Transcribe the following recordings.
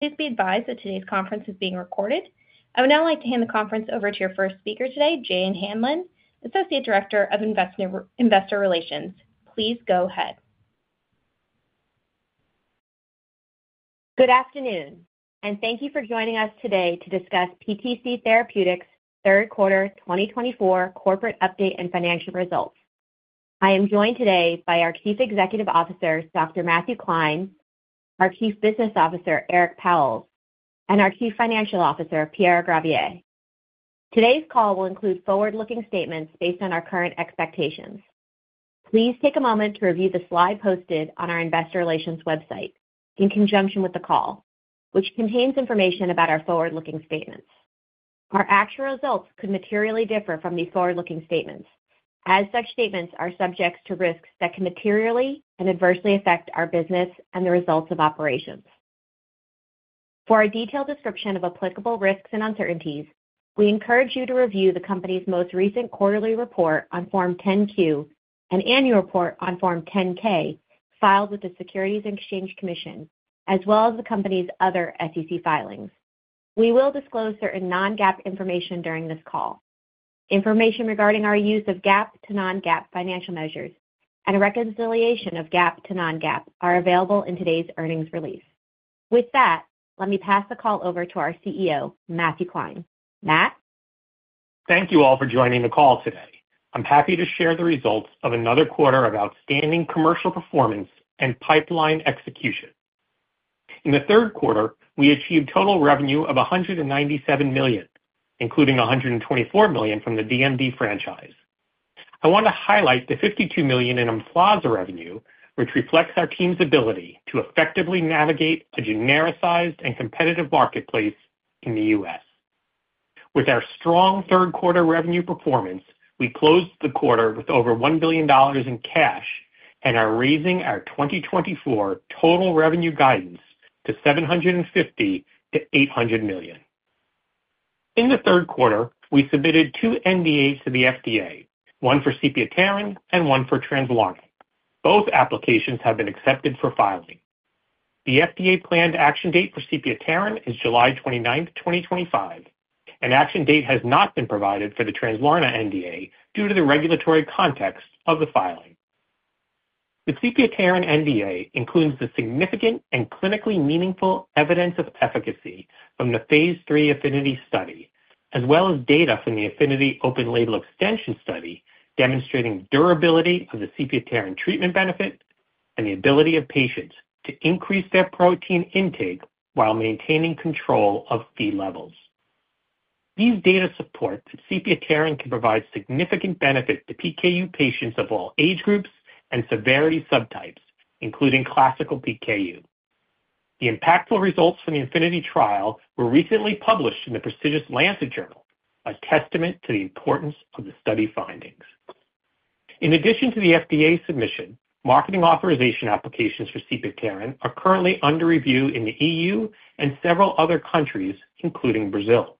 Please be advised that today's conference is being recorded. I would now like to hand the conference over to your first speaker today, Jane Hanlon, Associate Director of Investor Relations. Please go ahead. Good afternoon, and thank you for joining us today to discuss PTC Therapeutics' third quarter 2024 corporate update and financial results. I am joined today by our Chief Executive Officer, Dr. Matthew Klein, our Chief Business Officer, Eric Pauwels, and our Chief Financial Officer, Pierre Gravier. Today's call will include forward-looking statements based on our current expectations. Please take a moment to review the slide posted on our Investor Relations website in conjunction with the call, which contains information about our forward-looking statements. Our actual results could materially differ from these forward-looking statements, as such statements are subject to risks that can materially and adversely affect our business and the results of operations. For a detailed description of applicable risks and uncertainties, we encourage you to review the company's most recent quarterly report on Form 10-Q and annual report on Form 10-K filed with the Securities and Exchange Commission, as well as the company's other SEC filings. We will disclose certain non-GAAP information during this call. Information regarding our use of GAAP to non-GAAP financial measures and a reconciliation of GAAP to non-GAAP are available in today's earnings release. With that, let me pass the call over to our CEO, Matthew Klein. Matt? Thank you all for joining the call today. I'm happy to share the results of another quarter of outstanding commercial performance and pipeline execution. In the third quarter, we achieved total revenue of $197 million, including $124 million from the DMD franchise. I want to highlight the $52 million in Emflaza revenue, which reflects our team's ability to effectively navigate a genericized and competitive marketplace in the U.S. With our strong third quarter revenue performance, we closed the quarter with over $1 billion in cash and are raising our 2024 total revenue guidance to $750 milliom-$800 million. In the third quarter, we submitted two NDAs to the FDA, one for sepiapterin and one for Translarna. Both applications have been accepted for filing. The FDA planned action date for sepiapterin is July 29, 2025, and action date has not been provided for the Translarna NDA due to the regulatory context of the filing. The sepiapterin NDA includes the significant and clinically meaningful evidence of efficacy from the phase III APHENITY study, as well as data from the APHENITY open label extension study demonstrating durability of the sepiapterin treatment benefit and the ability of patients to increase their protein intake while maintaining control of Phe levels. These data support that sepiapterin can provide significant benefit to PKU patients of all age groups and severity subtypes, including classical PKU. The impactful results from the APHENITY trial were recently published in the prestigious Lancet journal, a testament to the importance of the study findings. In addition to the FDA submission, marketing authorization applications for Translarna are currently under review in the EU and several other countries, including Brazil.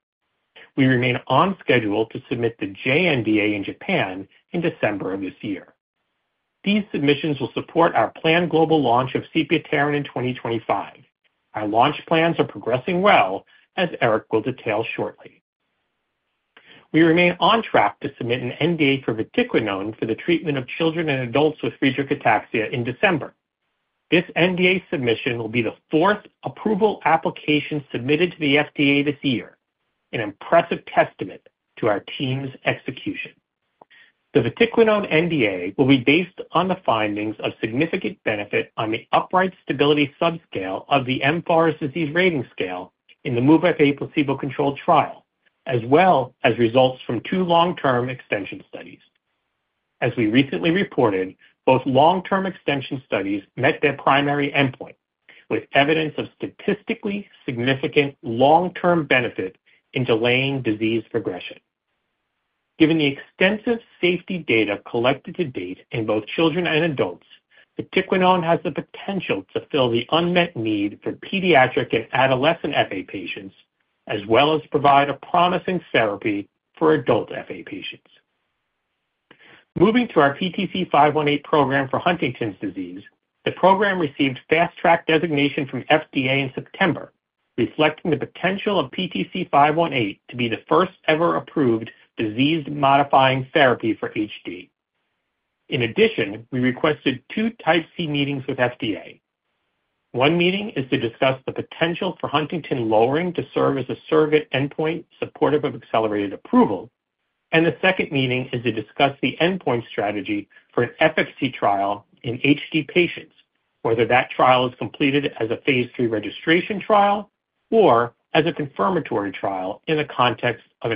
We remain on schedule to submit the JNDA in Japan in December of this year. These submissions will support our planned global launch of Translarna in 2025. Our launch plans are progressing well, as Eric will detail shortly. We remain on track to submit an NDA for vatiquinone for the treatment of children and adults with Friedreich's ataxia in December. This NDA submission will be the fourth approval application submitted to the FDA this year, an impressive testament to our team's execution. The vatiquinone NDA will be based on the findings of significant benefit on the upright stability subscale of the mFARS disease rating scale in the MOVE-FA placebo-controlled trial, as well as results from two long-term extension studies. As we recently reported, both long-term extension studies met their primary endpoint, with evidence of statistically significant long-term benefit in delaying disease progression. Given the extensive safety data collected to date in both children and adults, vatiquinone has the potential to fill the unmet need for pediatric and adolescent FA patients, as well as provide a promising therapy for adult FA patients. Moving to our PTC518 program for Huntington's disease, the program received Fast Track designation from FDA in September, reflecting the potential of PTC518 to be the first ever approved disease-modifying therapy for HD. In addition, we requested two Type C meetings with FDA. One meeting is to discuss the potential for HTT lowering to serve as a surrogate endpoint supportive of accelerated approval, and the second meeting is to discuss the endpoint strategy for an efficacy trial in HD patients, whether that trial is completed as a phase III registration trial or as a confirmatory trial in the context of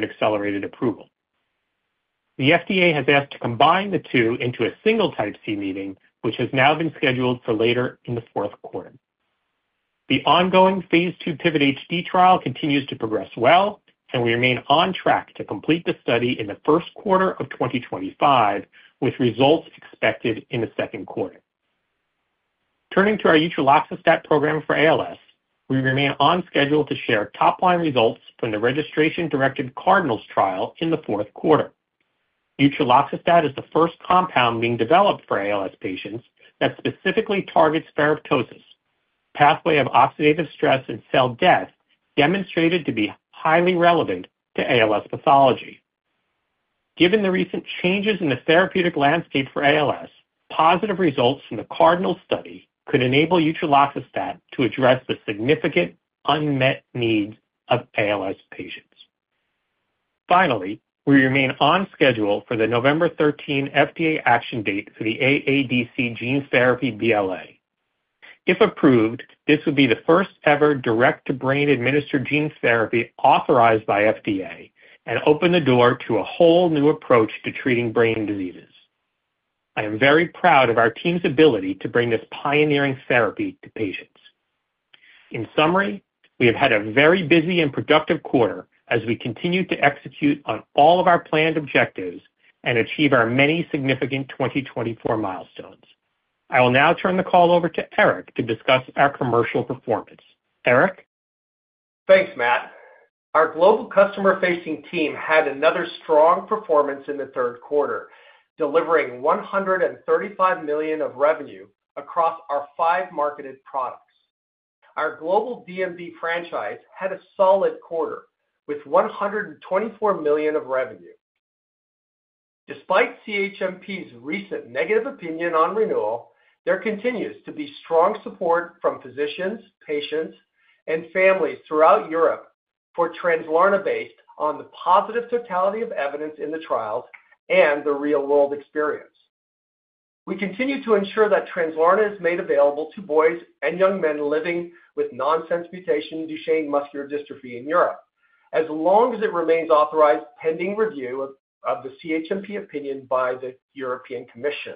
an accelerated approval. The FDA has asked to combine the two into a single Type C meeting, which has now been scheduled for later in the fourth quarter. The ongoing phase II PIVOT-HD trial continues to progress well, and we remain on track to complete the study in the first quarter of 2025, with results expected in the second quarter. Turning to our utreloxastat program for ALS, we remain on schedule to share top-line results from the registration-directed CardinALS trial in the fourth quarter. Utreloxastat is the first compound being developed for ALS patients that specifically targets ferroptosis, a pathway of oxidative stress and cell death demonstrated to be highly relevant to ALS pathology. Given the recent changes in the therapeutic landscape for ALS, positive results from the CardinALS study could enable utreloxastat to address the significant unmet needs of ALS patients. Finally, we remain on schedule for the November 13 FDA action date for the AADC gene therapy BLA. If approved, this would be the first ever direct-to-brain administered gene therapy authorized by FDA and open the door to a whole new approach to treating brain diseases. I am very proud of our team's ability to bring this pioneering therapy to patients. In summary, we have had a very busy and productive quarter as we continue to execute on all of our planned objectives and achieve our many significant 2024 milestones. I will now turn the call over to Eric to discuss our commercial performance. Eric? Thanks, Matt. Our global customer-facing team had another strong performance in the third quarter, delivering $135 million of revenue across our five marketed products. Our global DMD franchise had a solid quarter with $124 million of revenue. Despite CHMP's recent negative opinion on renewal, there continues to be strong support from physicians, patients, and families throughout Europe for Translarna based on the positive totality of evidence in the trials and the real-world experience. We continue to ensure that Translarna is made available to boys and young men living with nonsense mutation Duchenne muscular dystrophy in Europe, as long as it remains authorized pending review of the CHMP opinion by the European Commission.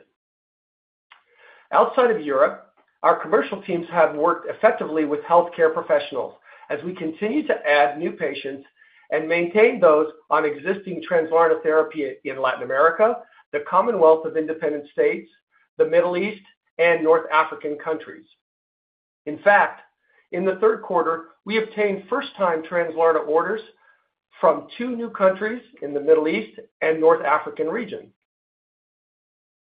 Outside of Europe, our commercial teams have worked effectively with healthcare professionals as we continue to add new patients and maintain those on existing Translarna therapy in Latin America, the Commonwealth of Independent States, the Middle East, and North African countries. In fact, in the third quarter, we obtained first-time Translarna orders from two new countries in the Middle East and North African region.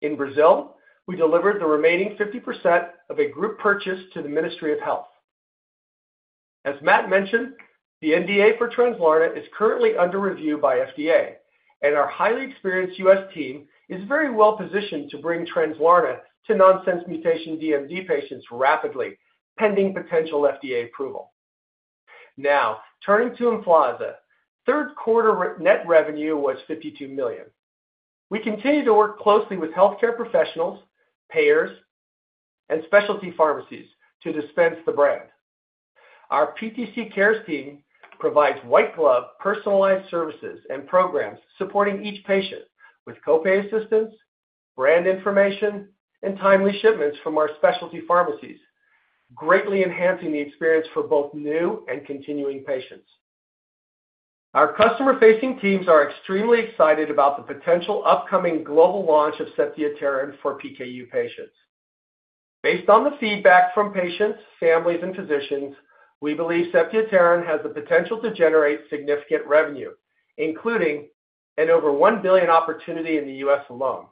In Brazil, we delivered the remaining 50% of a group purchase to the Ministry of Health. As Matt mentioned, the NDA for Translarna is currently under review by FDA, and our highly experienced U.S. team is very well positioned to bring Translarna to nonsense mutation DMD patients rapidly, pending potential FDA approval. Now, turning to Emflaza, third quarter net revenue was $52 million. We continue to work closely with healthcare professionals, payers, and specialty pharmacies to dispense the brand. Our PTC Cares team provides white-glove personalized services and programs supporting each patient with copay assistance, brand information, and timely shipments from our specialty pharmacies, greatly enhancing the experience for both new and continuing patients. Our customer-facing teams are extremely excited about the potential upcoming global launch of sepiapterin for PKU patients. Based on the feedback from patients, families, and physicians, we believe sepiapterin has the potential to generate significant revenue, including an over $1 billion opportunity in the U.S. alone.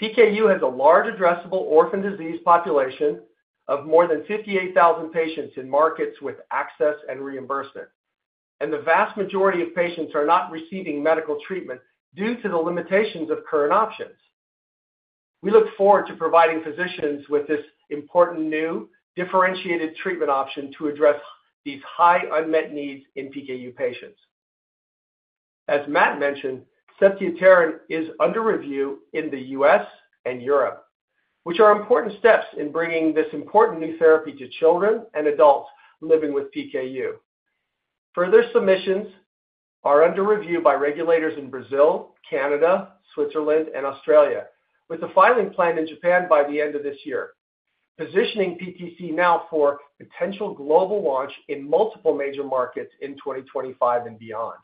PKU has a large addressable orphan disease population of more than 58,000 patients in markets with access and reimbursement, and the vast majority of patients are not receiving medical treatment due to the limitations of current options. We look forward to providing physicians with this important new differentiated treatment option to address these high unmet needs in PKU patients. As Matt mentioned, sepiapterin is under review in the U.S. and Europe, which are important steps in bringing this important new therapy to children and adults living with PKU. Further submissions are under review by regulators in Brazil, Canada, Switzerland, and Australia, with a filing plan in Japan by the end of this year, positioning PTC now for potential global launch in multiple major markets in 2025 and beyond.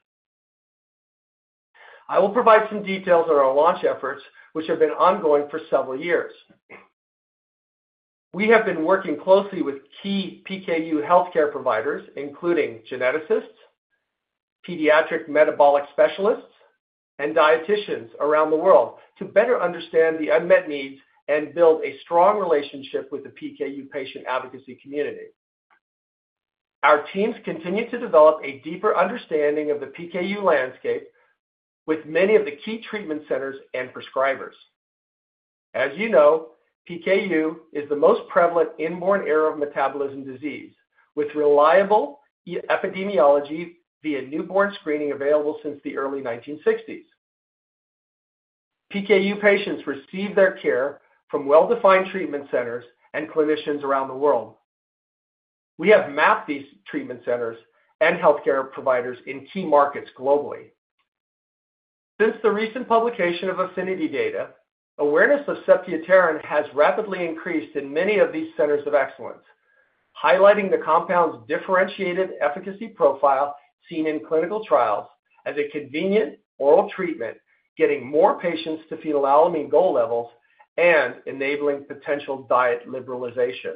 I will provide some details on our launch efforts, which have been ongoing for several years. We have been working closely with key PKU healthcare providers, including geneticists, pediatric metabolic specialists, and dietitians around the world, to better understand the unmet needs and build a strong relationship with the PKU patient advocacy community. Our teams continue to develop a deeper understanding of the PKU landscape with many of the key treatment centers and prescribers. As you know, PKU is the most prevalent inborn error of metabolism disease, with reliable epidemiology via newborn screening available since the early 1960s. PKU patients receive their care from well-defined treatment centers and clinicians around the world. We have mapped these treatment centers and healthcare providers in key markets globally. Since the recent publication of APHENITY data, awareness of sepiapterin has rapidly increased in many of these centers of excellence, highlighting the compound's differentiated efficacy profile seen in clinical trials as a convenient oral treatment, getting more patients to phenylalanine goal levels and enabling potential diet liberalization.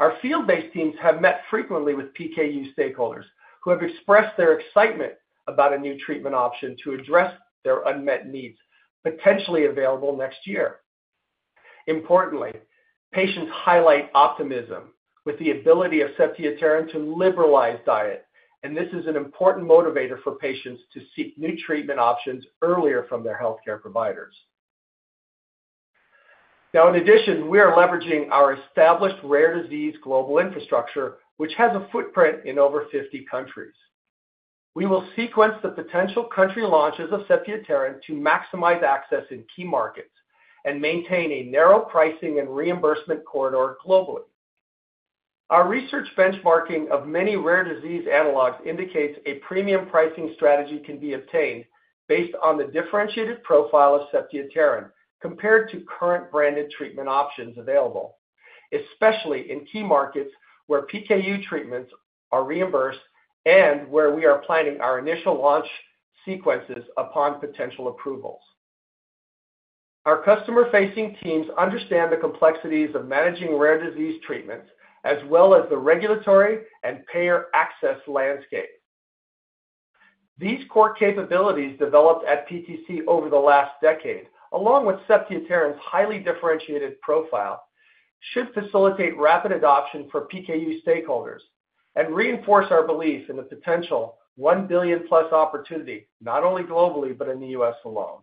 Our field-based teams have met frequently with PKU stakeholders who have expressed their excitement about a new treatment option to address their unmet needs potentially available next year. Importantly, patients highlight optimism with the ability of sepiapterin to liberalize diet, and this is an important motivator for patients to seek new treatment options earlier from their healthcare providers. Now, in addition, we are leveraging our established rare disease global infrastructure, which has a footprint in over 50 countries. We will sequence the potential country launches of sepiapterin to maximize access in key markets and maintain a narrow pricing and reimbursement corridor globally. Our research benchmarking of many rare disease analogs indicates a premium pricing strategy can be obtained based on the differentiated profile of sepiapterin compared to current branded treatment options available, especially in key markets where PKU treatments are reimbursed and where we are planning our initial launch sequences upon potential approvals. Our customer-facing teams understand the complexities of managing rare disease treatments as well as the regulatory and payer access landscape. These core capabilities developed at PTC over the last decade, along with sepiapterin's highly differentiated profile, should facilitate rapid adoption for PKU stakeholders and reinforce our belief in the potential $1 billion plus opportunity, not only globally but in the U.S. alone.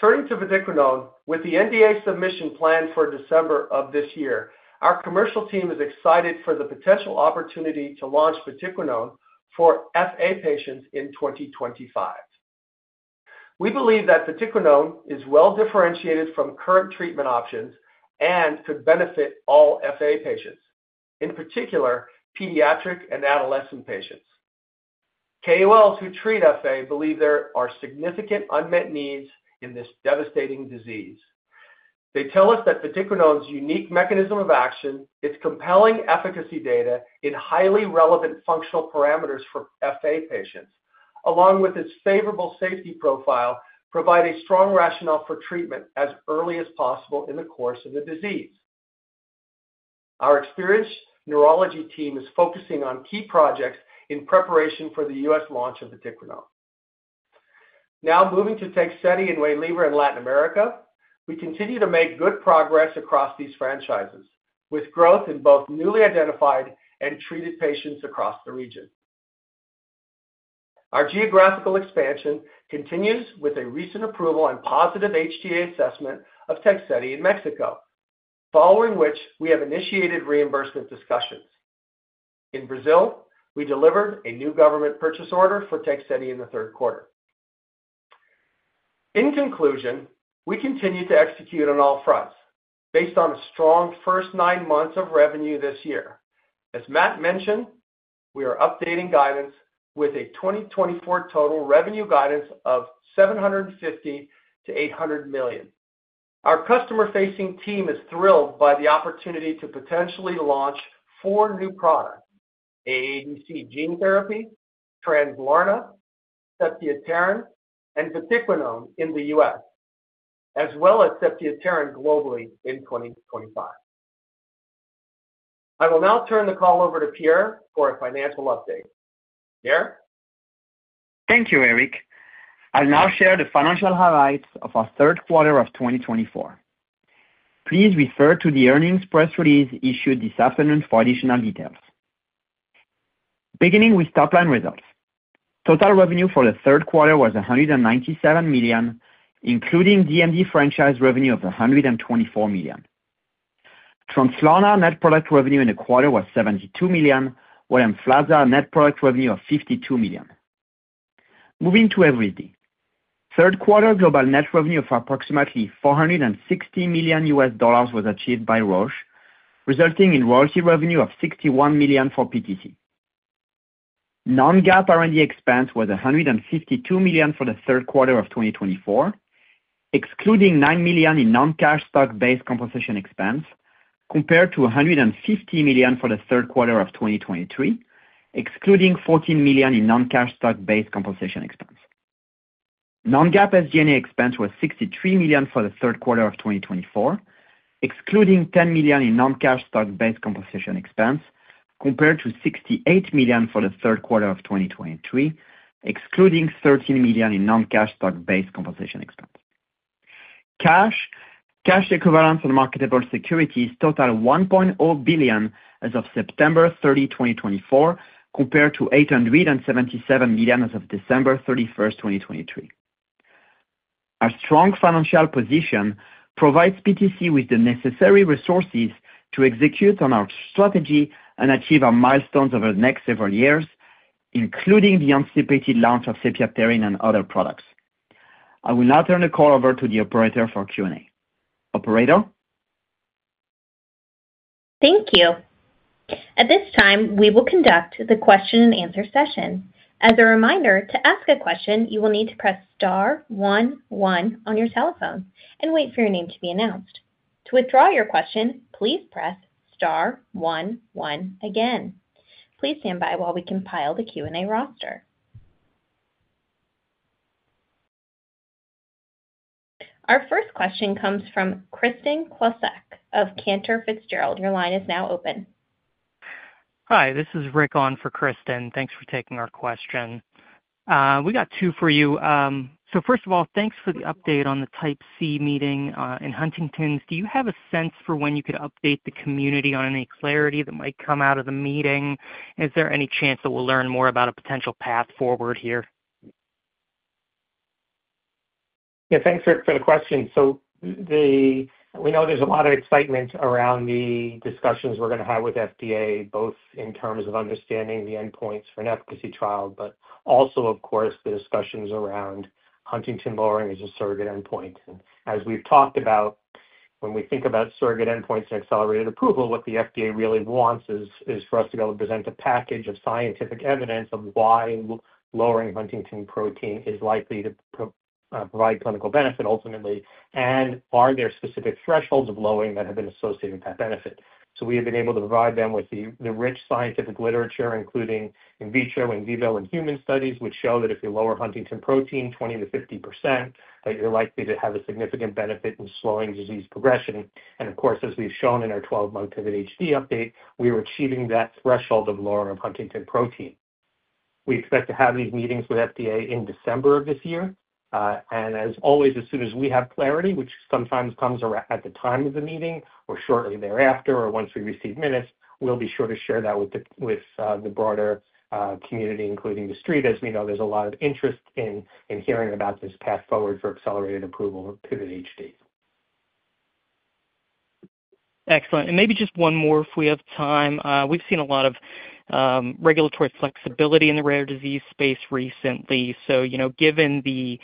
Turning to vatiquinone, with the NDA submission planned for December of this year, our commercial team is excited for the potential opportunity to launch vatiquinone for FA patients in 2025. We believe that vatiquinone is well differentiated from current treatment options and could benefit all FA patients, in particular pediatric and adolescent patients. KOLs who treat FA believe there are significant unmet needs in this devastating disease. They tell us that vatiquinone's unique mechanism of action, its compelling efficacy data in highly relevant functional parameters for FA patients, along with its favorable safety profile, provide a strong rationale for treatment as early as possible in the course of the disease. Our experienced neurology team is focusing on key projects in preparation for the U.S. launch of vatiquinone. Now, moving to Tegsedi and Waylivra in Latin America, we continue to make good progress across these franchises with growth in both newly identified and treated patients across the region. Our geographical expansion continues with a recent approval and positive HTA assessment of Tegsedi in Mexico, following which we have initiated reimbursement discussions. In Brazil, we delivered a new government purchase order for Tegsedi in the third quarter. In conclusion, we continue to execute on all fronts based on a strong first nine months of revenue this year. As Matt mentioned, we are updating guidance with a 2024 total revenue guidance of $750 million-$800 million. Our customer-facing team is thrilled by the opportunity to potentially launch four new products: AADC gene therapy, Translarna, sepiapterin, and vatiquinone in the U.S., as well as sepiapterin globally in 2025. I will now turn the call over to Pierre for a financial update. Pierre? Thank you, Eric. I'll now share the financial highlights of our third quarter of 2024. Please refer to the earnings press release issued this afternoon for additional details. Beginning with top-line results, total revenue for the third quarter was $197 million, including DMD franchise revenue of $124 million. Translarna net product revenue in the quarter was $72 million, while Emflaza net product revenue of $52 million. Moving to Evrysdi, third quarter global net revenue of approximately $460 million was achieved by Roche, resulting in royalty revenue of $61 million for PTC. Non-GAAP R&D expense was $152 million for the third quarter of 2024, excluding $9 million in non-cash stock-based compensation expense, compared to $150 million for the third quarter of 2023, excluding $14 million in non-cash stock-based compensation expense. Non-GAAP SG&A expense was $63 million for the third quarter of 2024, excluding $10 million in non-cash stock-based compensation expense, compared to $68 million for the third quarter of 2023, excluding $13 million in non-cash stock-based compensation expense. Cash, cash equivalents and marketable securities totaled $1.0 billion as of September 30, 2024, compared to $877 million as of December 31, 2023. Our strong financial position provides PTC with the necessary resources to execute on our strategy and achieve our milestones over the next several years, including the anticipated launch of sepiapterin and other products. I will now turn the call over to the operator for Q&A. Operator? Thank you. At this time, we will conduct the question-and-answer session. As a reminder, to ask a question, you will need to press star one one on your telephone and wait for your name to be announced. To withdraw your question, please press star one one again. Please stand by while we compile the Q&A roster. Our first question comes from Kristen Kluska of Cantor Fitzgerald. Your line is now open. Hi, this is Rick on for Kristen. Thanks for taking our question. We got two for you. So first of all, thanks for the update on the Type C meeting in Huntington's. Do you have a sense for when you could update the community on any clarity that might come out of the meeting? Is there any chance that we'll learn more about a potential path forward here? Yeah, thanks for the question. So we know there's a lot of excitement around the discussions we're going to have with the FDA, both in terms of understanding the endpoints for an efficacy trial, but also, of course, the discussions around huntingtin lowering as a surrogate endpoint. And as we've talked about, when we think about surrogate endpoints and accelerated approval, what the FDA really wants is for us to be able to present a package of scientific evidence of why lowering huntingtin protein is likely to provide clinical benefit ultimately, and are there specific thresholds of lowering that have been associated with that benefit? So we have been able to provide them with the rich scientific literature, including in vitro, in vivo, and human studies, which show that if you lower huntingtin protein 20%-50%, that you're likely to have a significant benefit in slowing disease progression. Of course, as we've shown in our 12-month PIVOT-HD update, we are achieving that threshold of lowering of huntingtin protein. We expect to have these meetings with the FDA in December of this year. As always, as soon as we have clarity, which sometimes comes at the time of the meeting or shortly thereafter or once we receive minutes, we'll be sure to share that with the broader community, including the street, as we know there's a lot of interest in hearing about this path forward for accelerated approval of PIVOT-HD. Excellent. And maybe just one more if we have time. We've seen a lot of regulatory flexibility in the rare disease space recently. So given the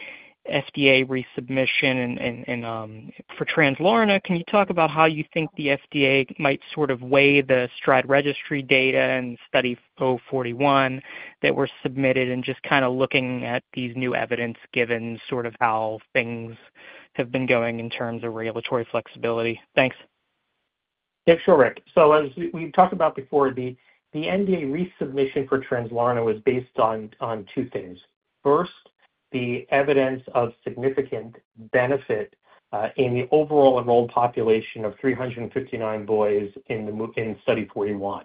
FDA resubmission for Translarna, can you talk about how you think the FDA might sort of weigh the STRIDE Registry data and Study 041 that were submitted and just kind of looking at these new evidence given sort of how things have been going in terms of regulatory flexibility? Thanks. Yeah, sure, Rick. So as we've talked about before, the NDA resubmission for Translarna was based on two things. First, the evidence of significant benefit in the overall enrolled population of 359 boys in Study 041.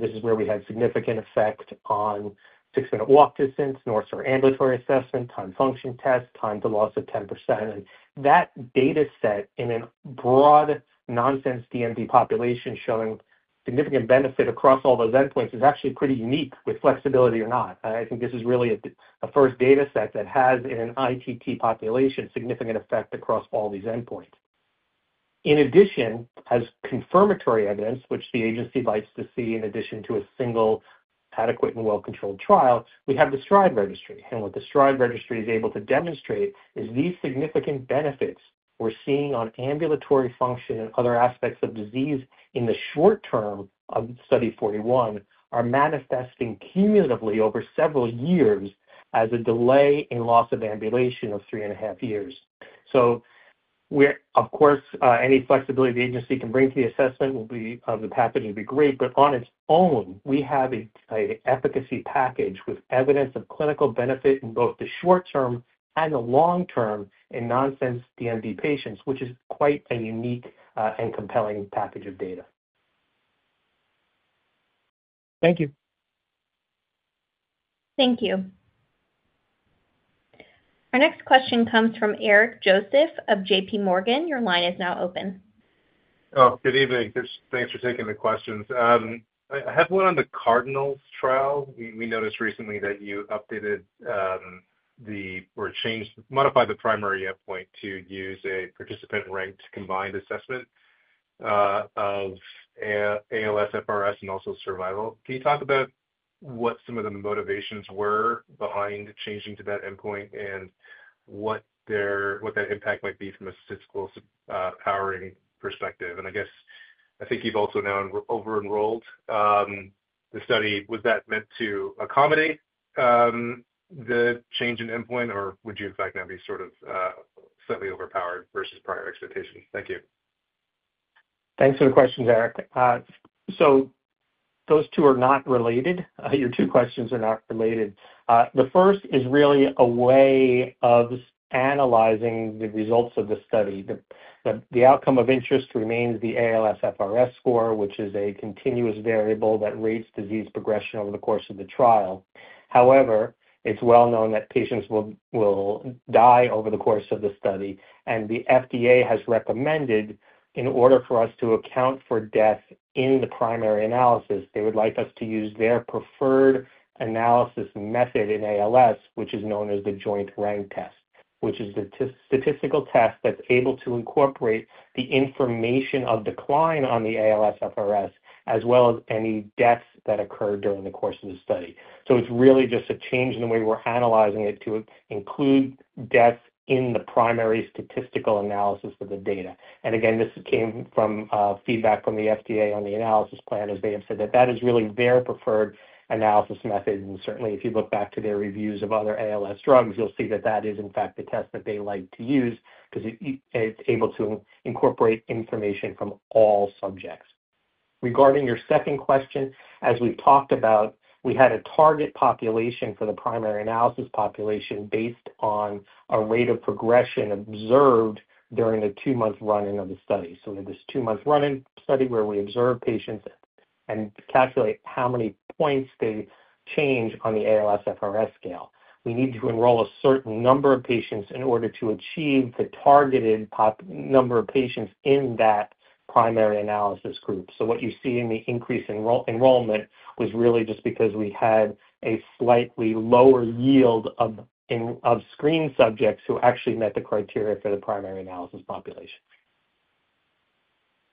This is where we had significant effect on six-minute walk distance, North Star Ambulatory Assessment, timed function test, time to loss of 10%. And that dataset in a broad nonsense DMD population showing significant benefit across all those endpoints is actually pretty unique, with flexibility or not. I think this is really a first dataset that has in an ITT population significant effect across all these endpoints. In addition, as confirmatory evidence, which the agency likes to see in addition to a single adequate and well-controlled trial, we have the STRIDE Registry. What the STRIDE Registry is able to demonstrate is these significant benefits we're seeing on ambulatory function and other aspects of disease in the short term of Study 041 are manifesting cumulatively over several years as a delay in loss of ambulation of three and a half years. Of course, any flexibility the agency can bring to the assessment of the package would be great, but on its own, we have an efficacy package with evidence of clinical benefit in both the short term and the long term in nonsense DMD patients, which is quite a unique and compelling package of data. Thank you. Thank you. Our next question comes from Eric Joseph of JPMorgan. Your line is now open. Oh, good evening. Thanks for taking the questions. I have one on the CardinALS trial. We noticed recently that you updated or modified the primary endpoint to use a participant-ranked combined assessment of ALSFRS, and also survival. Can you talk about what some of the motivations were behind changing to that endpoint and what that impact might be from a statistical powering perspective? And I guess I think you've also now over-enrolled the study. Was that meant to accommodate the change in endpoint, or would you in fact now be sort of slightly overpowered versus prior expectations? Thank you. Thanks for the questions, Eric, so those two are not related. Your two questions are not related. The first is really a way of analyzing the results of the study. The outcome of interest remains the ALSFRS score, which is a continuous variable that rates disease progression over the course of the trial. However, it's well-known that patients will die over the course of the study, and the FDA has recommended in order for us to account for death in the primary analysis, they would like us to use their preferred analysis method in ALS, which is known as the joint rank test, which is the statistical test that's able to incorporate the information of decline on the ALSFRS, as well as any deaths that occurred during the course of the study. It's really just a change in the way we're analyzing it to include death in the primary statistical analysis of the data. This came from feedback from the FDA on the analysis plan, as they have said that that is really their preferred analysis method. Certainly, if you look back to their reviews of other ALS drugs, you'll see that that is in fact the test that they like to use because it's able to incorporate information from all subjects. Regarding your second question, as we've talked about, we had a target population for the primary analysis population based on a rate of progression observed during the two-month run-in of the study. We had this two-month run-in study where we observed patients and calculated how many points they change on the ALSFRS scale. We need to enroll a certain number of patients in order to achieve the targeted number of patients in that primary analysis group. So what you see in the increase in enrollment was really just because we had a slightly lower yield of screened subjects who actually met the criteria for the primary analysis population.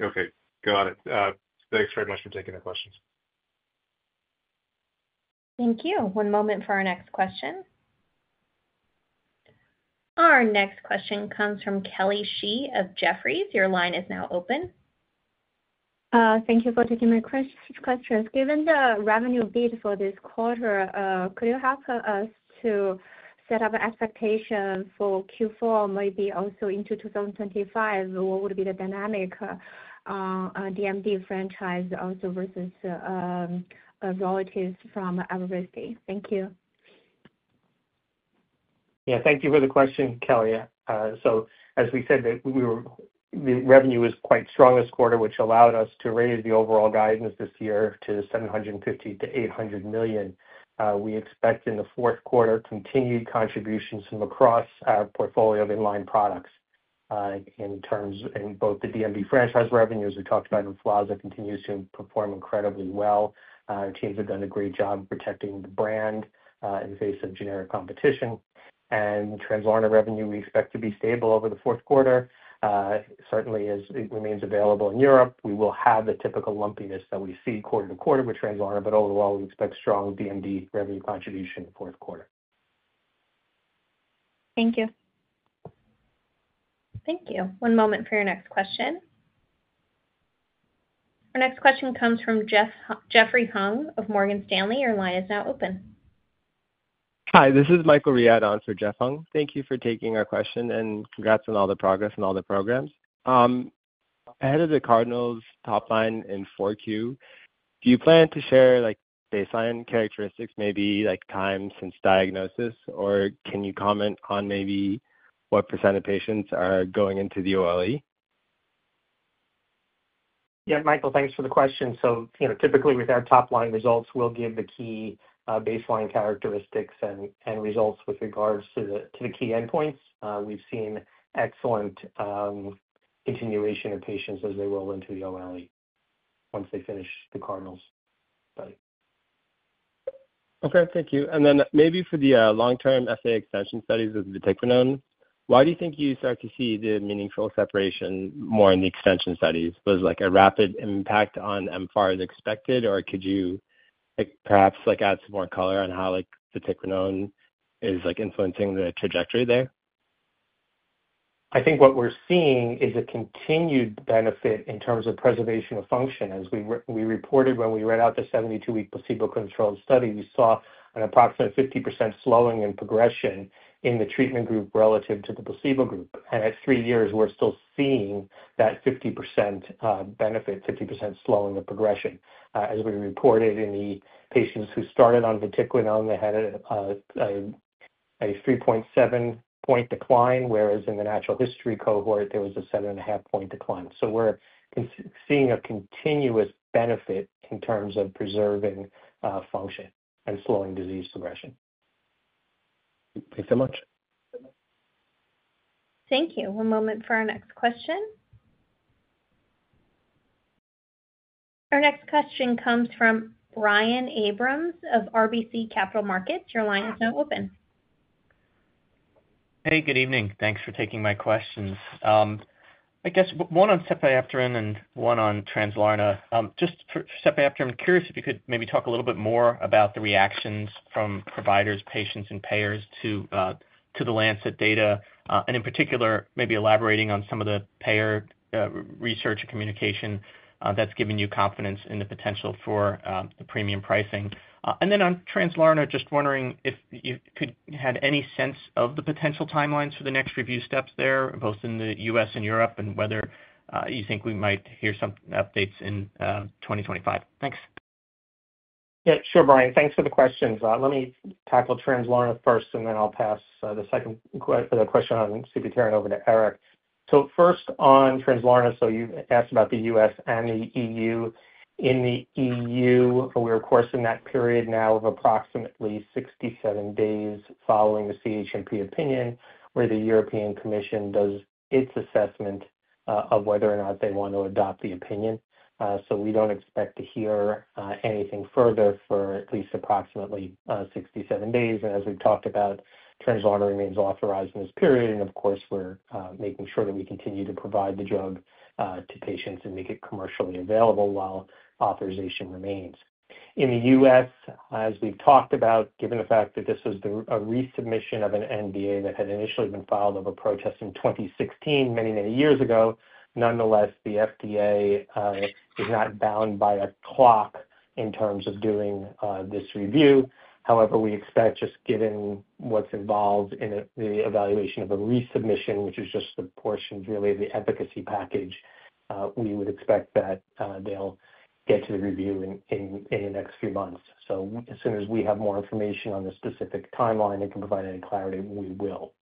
Okay. Got it. Thanks very much for taking the questions. Thank you. One moment for our next question. Our next question comes from Kelly Shi of Jefferies. Your line is now open. Thank you for taking my question. Given the revenue beat for this quarter, could you help us to set up an expectation for Q4, maybe also into 2025? What would be the dynamic on DMD franchise also versus relatives from Evrysdi? Thank you. Yeah, thank you for the question, Kelly. So as we said, the revenue was quite strong this quarter, which allowed us to raise the overall guidance this year to $750 million-$800 million. We expect in the fourth quarter, continued contributions from across our portfolio of in-line products in both the DMD franchise revenues. We talked about Emflaza continues to perform incredibly well. Our teams have done a great job protecting the brand in the face of generic competition. And Translarna revenue, we expect to be stable over the fourth quarter. Certainly, as it remains available in Europe, we will have the typical lumpiness that we see quarter-to-quarter with Translarna, but overall, we expect strong DMD revenue contribution in the fourth quarter. Thank you. Thank you. One moment for your next question. Our next question comes from Jeffrey Hung of Morgan Stanley. Your line is now open. Hi, this is Michael Riad for Jeffrey Hung. Thank you for taking our question and congrats on all the progress and all the programs. Ahead of the CardinALS top-line in 4Q, do you plan to share baseline characteristics, maybe time since diagnosis, or can you comment on maybe what percentage of patients are going into the OLE? Yeah, Michael, thanks for the question. So typically, with our top-line results, we'll give the key baseline characteristics and results with regards to the key endpoints. We've seen excellent continuation of patients as they roll into the OLE once they finish the CardinALS study. Okay, thank you. And then maybe for the long-term FA extension studies with the vatiquinone, why do you think you start to see the meaningful separation more in the extension studies? Was a rapid impact on mFARS as expected, or could you perhaps add some more color on how the vatiquinone is influencing the trajectory there? I think what we're seeing is a continued benefit in terms of preservation of function. As we reported when we read out the 72-week placebo-controlled study, we saw an approximate 50% slowing in progression in the treatment group relative to the placebo group, and at three years, we're still seeing that 50% benefit, 50% slowing of progression. As we reported in the patients who started on the vatiquinone, they had a 3.7-point decline, whereas in the natural history cohort, there was a 7.5-point decline, so we're seeing a continuous benefit in terms of preserving function and slowing disease progression. Thanks so much. Thank you. One moment for our next question. Our next question comes from Brian Abrahams of RBC Capital Markets. Your line is now open. Hey, good evening. Thanks for taking my questions. I guess one on sepiapterin and one on Translarna. Just for sepiapterin, I'm curious if you could maybe talk a little bit more about the reactions from providers, patients, and payers to the Lancet data, and in particular, maybe elaborating on some of the payer research and communication that's given you confidence in the potential for the premium pricing. And then on Translarna, just wondering if you had any sense of the potential timelines for the next review steps there, both in the U.S. and Europe, and whether you think we might hear some updates in 2025. Thanks. Yeah, sure, Brian. Thanks for the questions. Let me tackle Translarna first, and then I'll pass the second question on sepiapterin over to Eric. So first on Translarna, so you asked about the U.S. and the EU In the EU, we're of course in that period now of approximately 67 days following the CHMP opinion, where the European Commission does its assessment of whether or not they want to adopt the opinion. So we don't expect to hear anything further for at least approximately 67 days. And as we've talked about, Translarna remains authorized in this period. And of course, we're making sure that we continue to provide the drug to patients and make it commercially available while authorization remains. In the U.S., as we've talked about, given the fact that this was a resubmission of an NDA that had initially been filed over protests in 2016, many, many years ago, nonetheless, the FDA is not bound by a clock in terms of doing this review. However, we expect, just given what's involved in the evaluation of a resubmission, which is just a portion really of the efficacy package, we would expect that they'll get to the review in the next few months. So as soon as we have more information on the specific timeline and can provide any clarity, we will.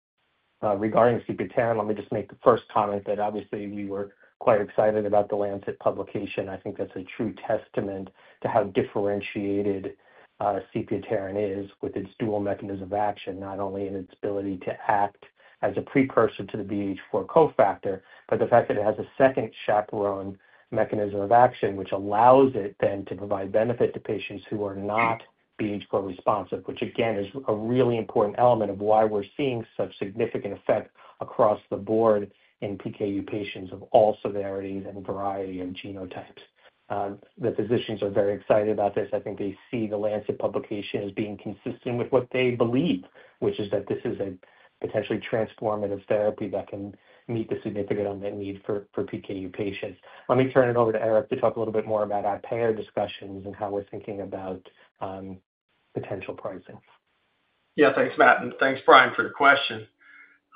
Regarding sepiapterin, let me just make the first comment that obviously we were quite excited about the Lancet publication. I think that's a true testament to how differentiated sepiapterin is with its dual mechanism of action, not only in its ability to act as a precursor to the BH4 cofactor, but the fact that it has a second chaperone mechanism of action, which allows it then to provide benefit to patients who are not BH4 responsive, which again is a really important element of why we're seeing such significant effect across the board in PKU patients of all severities and variety of genotypes. The physicians are very excited about this. I think they see the Lancet publication as being consistent with what they believe, which is that this is a potentially transformative therapy that can meet the significant unmet need for PKU patients. Let me turn it over to Eric to talk a little bit more about our payer discussions and how we're thinking about potential pricing. Yeah, thanks, Matt. And thanks, Brian, for the question.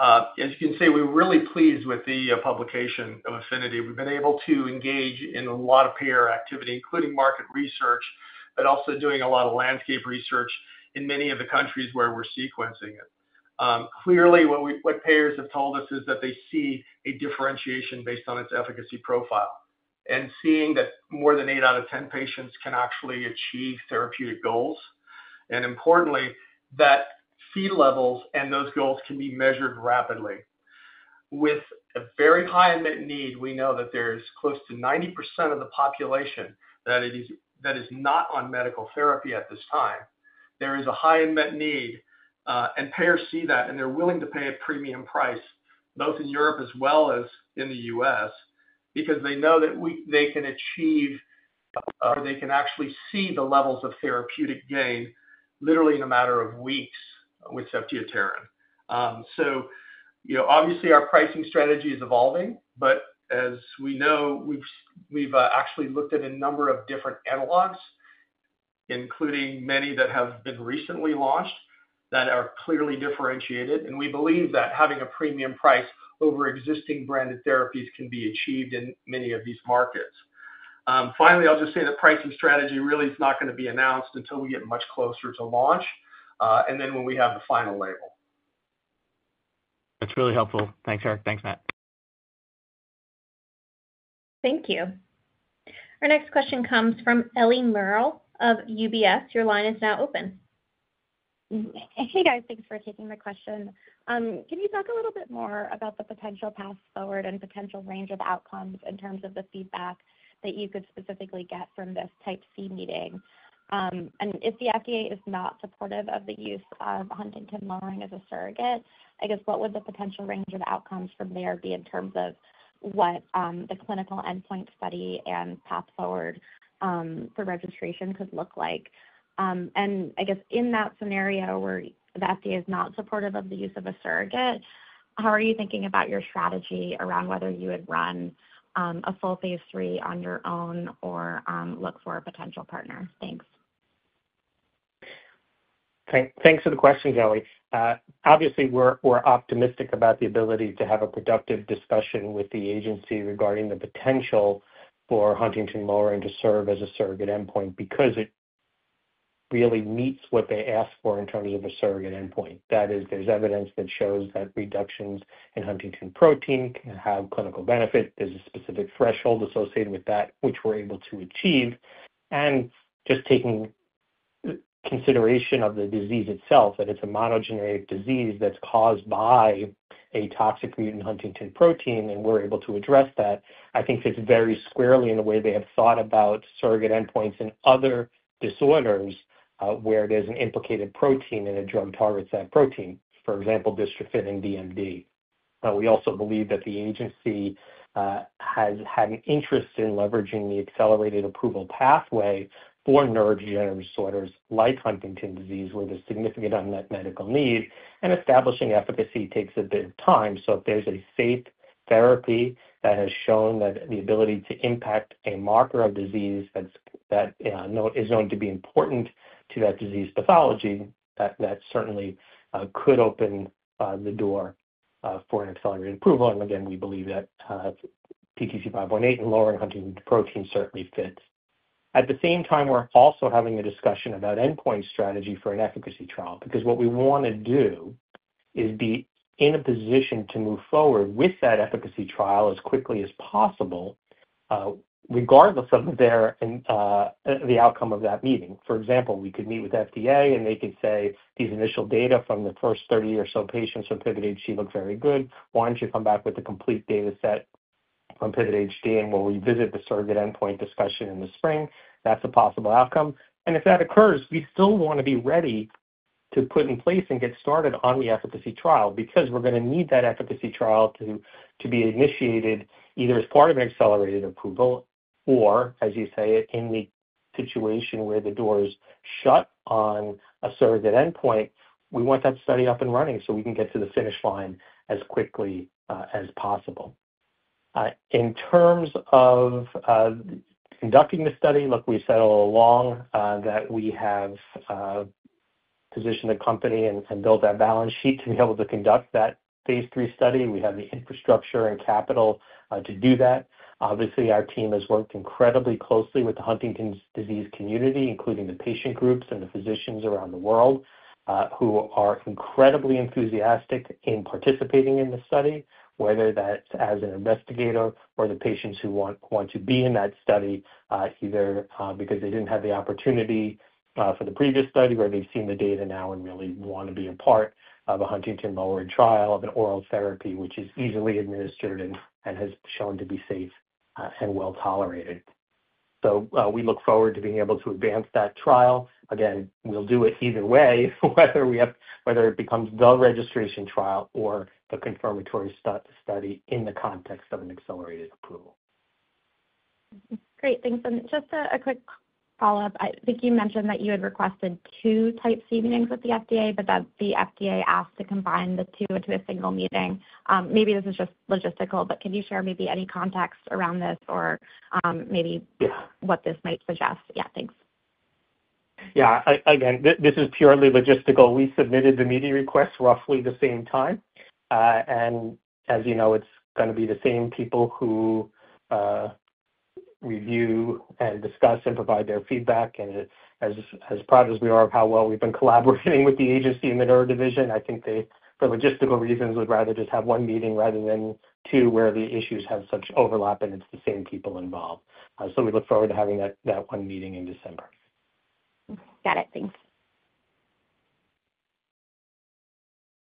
As you can see, we're really pleased with the publication of APHENITY. We've been able to engage in a lot of payer activity, including market research, but also doing a lot of landscape research in many of the countries where we're seeking it. Clearly, what payers have told us is that they see a differentiation based on its efficacy profile and seeing that more than 8 out of 10 patients can actually achieve therapeutic goals. And importantly, that Phe levels and those goals can be measured rapidly. With a very high unmet need, we know that there's close to 90% of the population that is not on medical therapy at this time. There is a high unmet need, and payers see that, and they're willing to pay a premium price, both in Europe as well as in the U.S., because they know that they can achieve or they can actually see the levels of therapeutic gain literally in a matter of weeks with sepiapterin. So obviously, our pricing strategy is evolving, but as we know, we've actually looked at a number of different analogs, including many that have been recently launched that are clearly differentiated. And we believe that having a premium price over existing branded therapies can be achieved in many of these markets. Finally, I'll just say the pricing strategy really is not going to be announced until we get much closer to launch and then when we have the final label. That's really helpful. Thanks, Eric. Thanks, Matt. Thank you. Our next question comes from Ellie Merle of UBS. Your line is now open. Hey, guys. Thanks for taking the question. Can you talk a little bit more about the potential path forward and potential range of outcomes in terms of the feedback that you could specifically get from this Type C meeting? And if the FDA is not supportive of the use of huntingtin-lowering as a surrogate, I guess what would the potential range of outcomes from there be in terms of what the clinical endpoint study and path forward for registration could look like? And I guess in that scenario where the FDA is not supportive of the use of a surrogate, how are you thinking about your strategy around whether you would run a full phase III on your own or look for a potential partner? Thanks. Thanks for the question, Kelly. Obviously, we're optimistic about the ability to have a productive discussion with the agency regarding the potential for huntingtin-lowering to serve as a surrogate endpoint because it really meets what they ask for in terms of a surrogate endpoint. That is, there's evidence that shows that reductions in huntingtin protein can have clinical benefit. There's a specific threshold associated with that, which we're able to achieve. And just taking consideration of the disease itself, that it's a monogenic disease that's caused by a toxic mutant huntingtin protein, and we're able to address that. I think it's very squarely in the way they have thought about surrogate endpoints in other disorders where there's an implicated protein and a drug targets that protein, for example, dystrophin and DMD. We also believe that the agency has had an interest in leveraging the accelerated approval pathway for neurodegenerative disorders like Huntington's disease, where there's significant unmet medical need, and establishing efficacy takes a bit of time. So if there's a safe therapy that has shown the ability to impact a marker of disease that is known to be important to that disease pathology, that certainly could open the door for an accelerated approval, and again, we believe that PTC518 and lowering huntingtin protein certainly fits. At the same time, we're also having a discussion about endpoint strategy for an efficacy trial because what we want to do is be in a position to move forward with that efficacy trial as quickly as possible, regardless of the outcome of that meeting. For example, we could meet with FDA, and they could say, "These initial data from the first 30 or so patients from PIVOT-HD look very good. Why don't you come back with a complete data set from PIVOT-HD, and we'll revisit the surrogate endpoint discussion in the spring?" That's a possible outcome. And if that occurs, we still want to be ready to put in place and get started on the efficacy trial because we're going to need that efficacy trial to be initiated either as part of an accelerated approval or, as you say, in the situation where the door is shut on a surrogate endpoint, we want that study up and running so we can get to the finish line as quickly as possible. In terms of conducting the study, look, we settled on that we have positioned the company and built that balance sheet to be able to conduct that phase III study. We have the infrastructure and capital to do that. Obviously, our team has worked incredibly closely with the Huntington's disease community, including the patient groups and the physicians around the world who are incredibly enthusiastic in participating in the study, whether that's as an investigator or the patients who want to be in that study, either because they didn't have the opportunity for the previous study, where they've seen the data now and really want to be a part of a Huntington's trial of an oral therapy, which is easily administered and has shown to be safe and well tolerated. So we look forward to being able to advance that trial. Again, we'll do it either way, whether it becomes the registration trial or the confirmatory study in the context of an accelerated approval. Great. Thanks, and just a quick follow-up. I think you mentioned that you had requested two Type C meetings with the FDA, but that the FDA asked to combine the two into a single meeting. Maybe this is just logistical, but can you share maybe any context around this or maybe what this might suggest? Yeah, thanks. Yeah. Again, this is purely logistical. We submitted the meeting request roughly at the same time. And as you know, it's going to be the same people who review and discuss and provide their feedback. And as proud as we are of how well we've been collaborating with the agency in the neurodivision, I think they, for logistical reasons, would rather just have one meeting rather than two where the issues have such overlap, and it's the same people involved. So we look forward to having that one meeting in December. Got it. Thanks.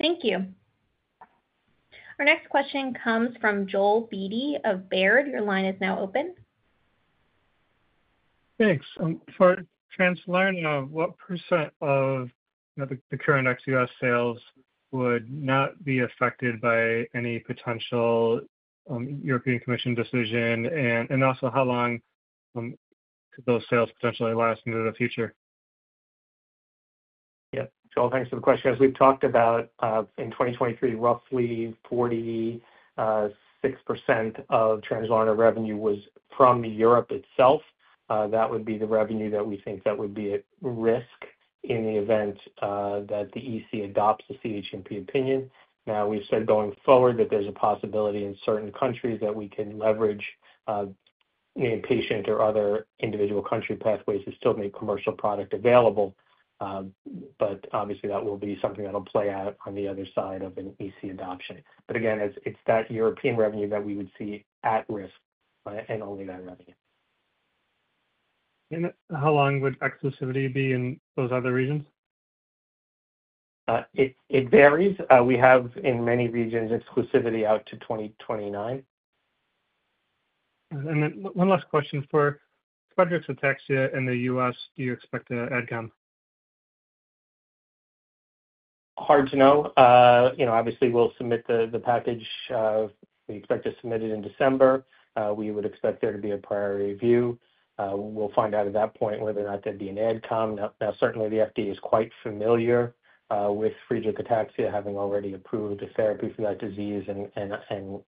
Thank you. Our next question comes from Joel Beatty of Baird. Your line is now open. Thanks. For Translarna, what percentage of the current ex-U.S. sales would not be affected by any potential European Commission decision? And also, how long could those sales potentially last into the future? Yeah. Joel, thanks for the question. As we've talked about, in 2023, roughly 46% of Translarna revenue was from Europe itself. That would be the revenue that we think that would be at risk in the event that the EC adopts the CHMP opinion. Now, we've said going forward that there's a possibility in certain countries that we can leverage the inpatient or other individual country pathways to still make commercial product available. But obviously, that will be something that will play out on the other side of an EC adoption. But again, it's that European revenue that we would see at risk and only that revenue. How long would exclusivity be in those other regions? It varies. We have in many regions exclusivity out to 2029. And then one last question. For Friedreich's ataxia in the U.S., do you expect an AdCom? Hard to know. Obviously, we'll submit the package. We expect to submit it in December. We would expect there to be a prior review. We'll find out at that point whether or not there'd be an AdCom. Now, certainly, the FDA is quite familiar with Friedreich's ataxia, having already approved a therapy for that disease. And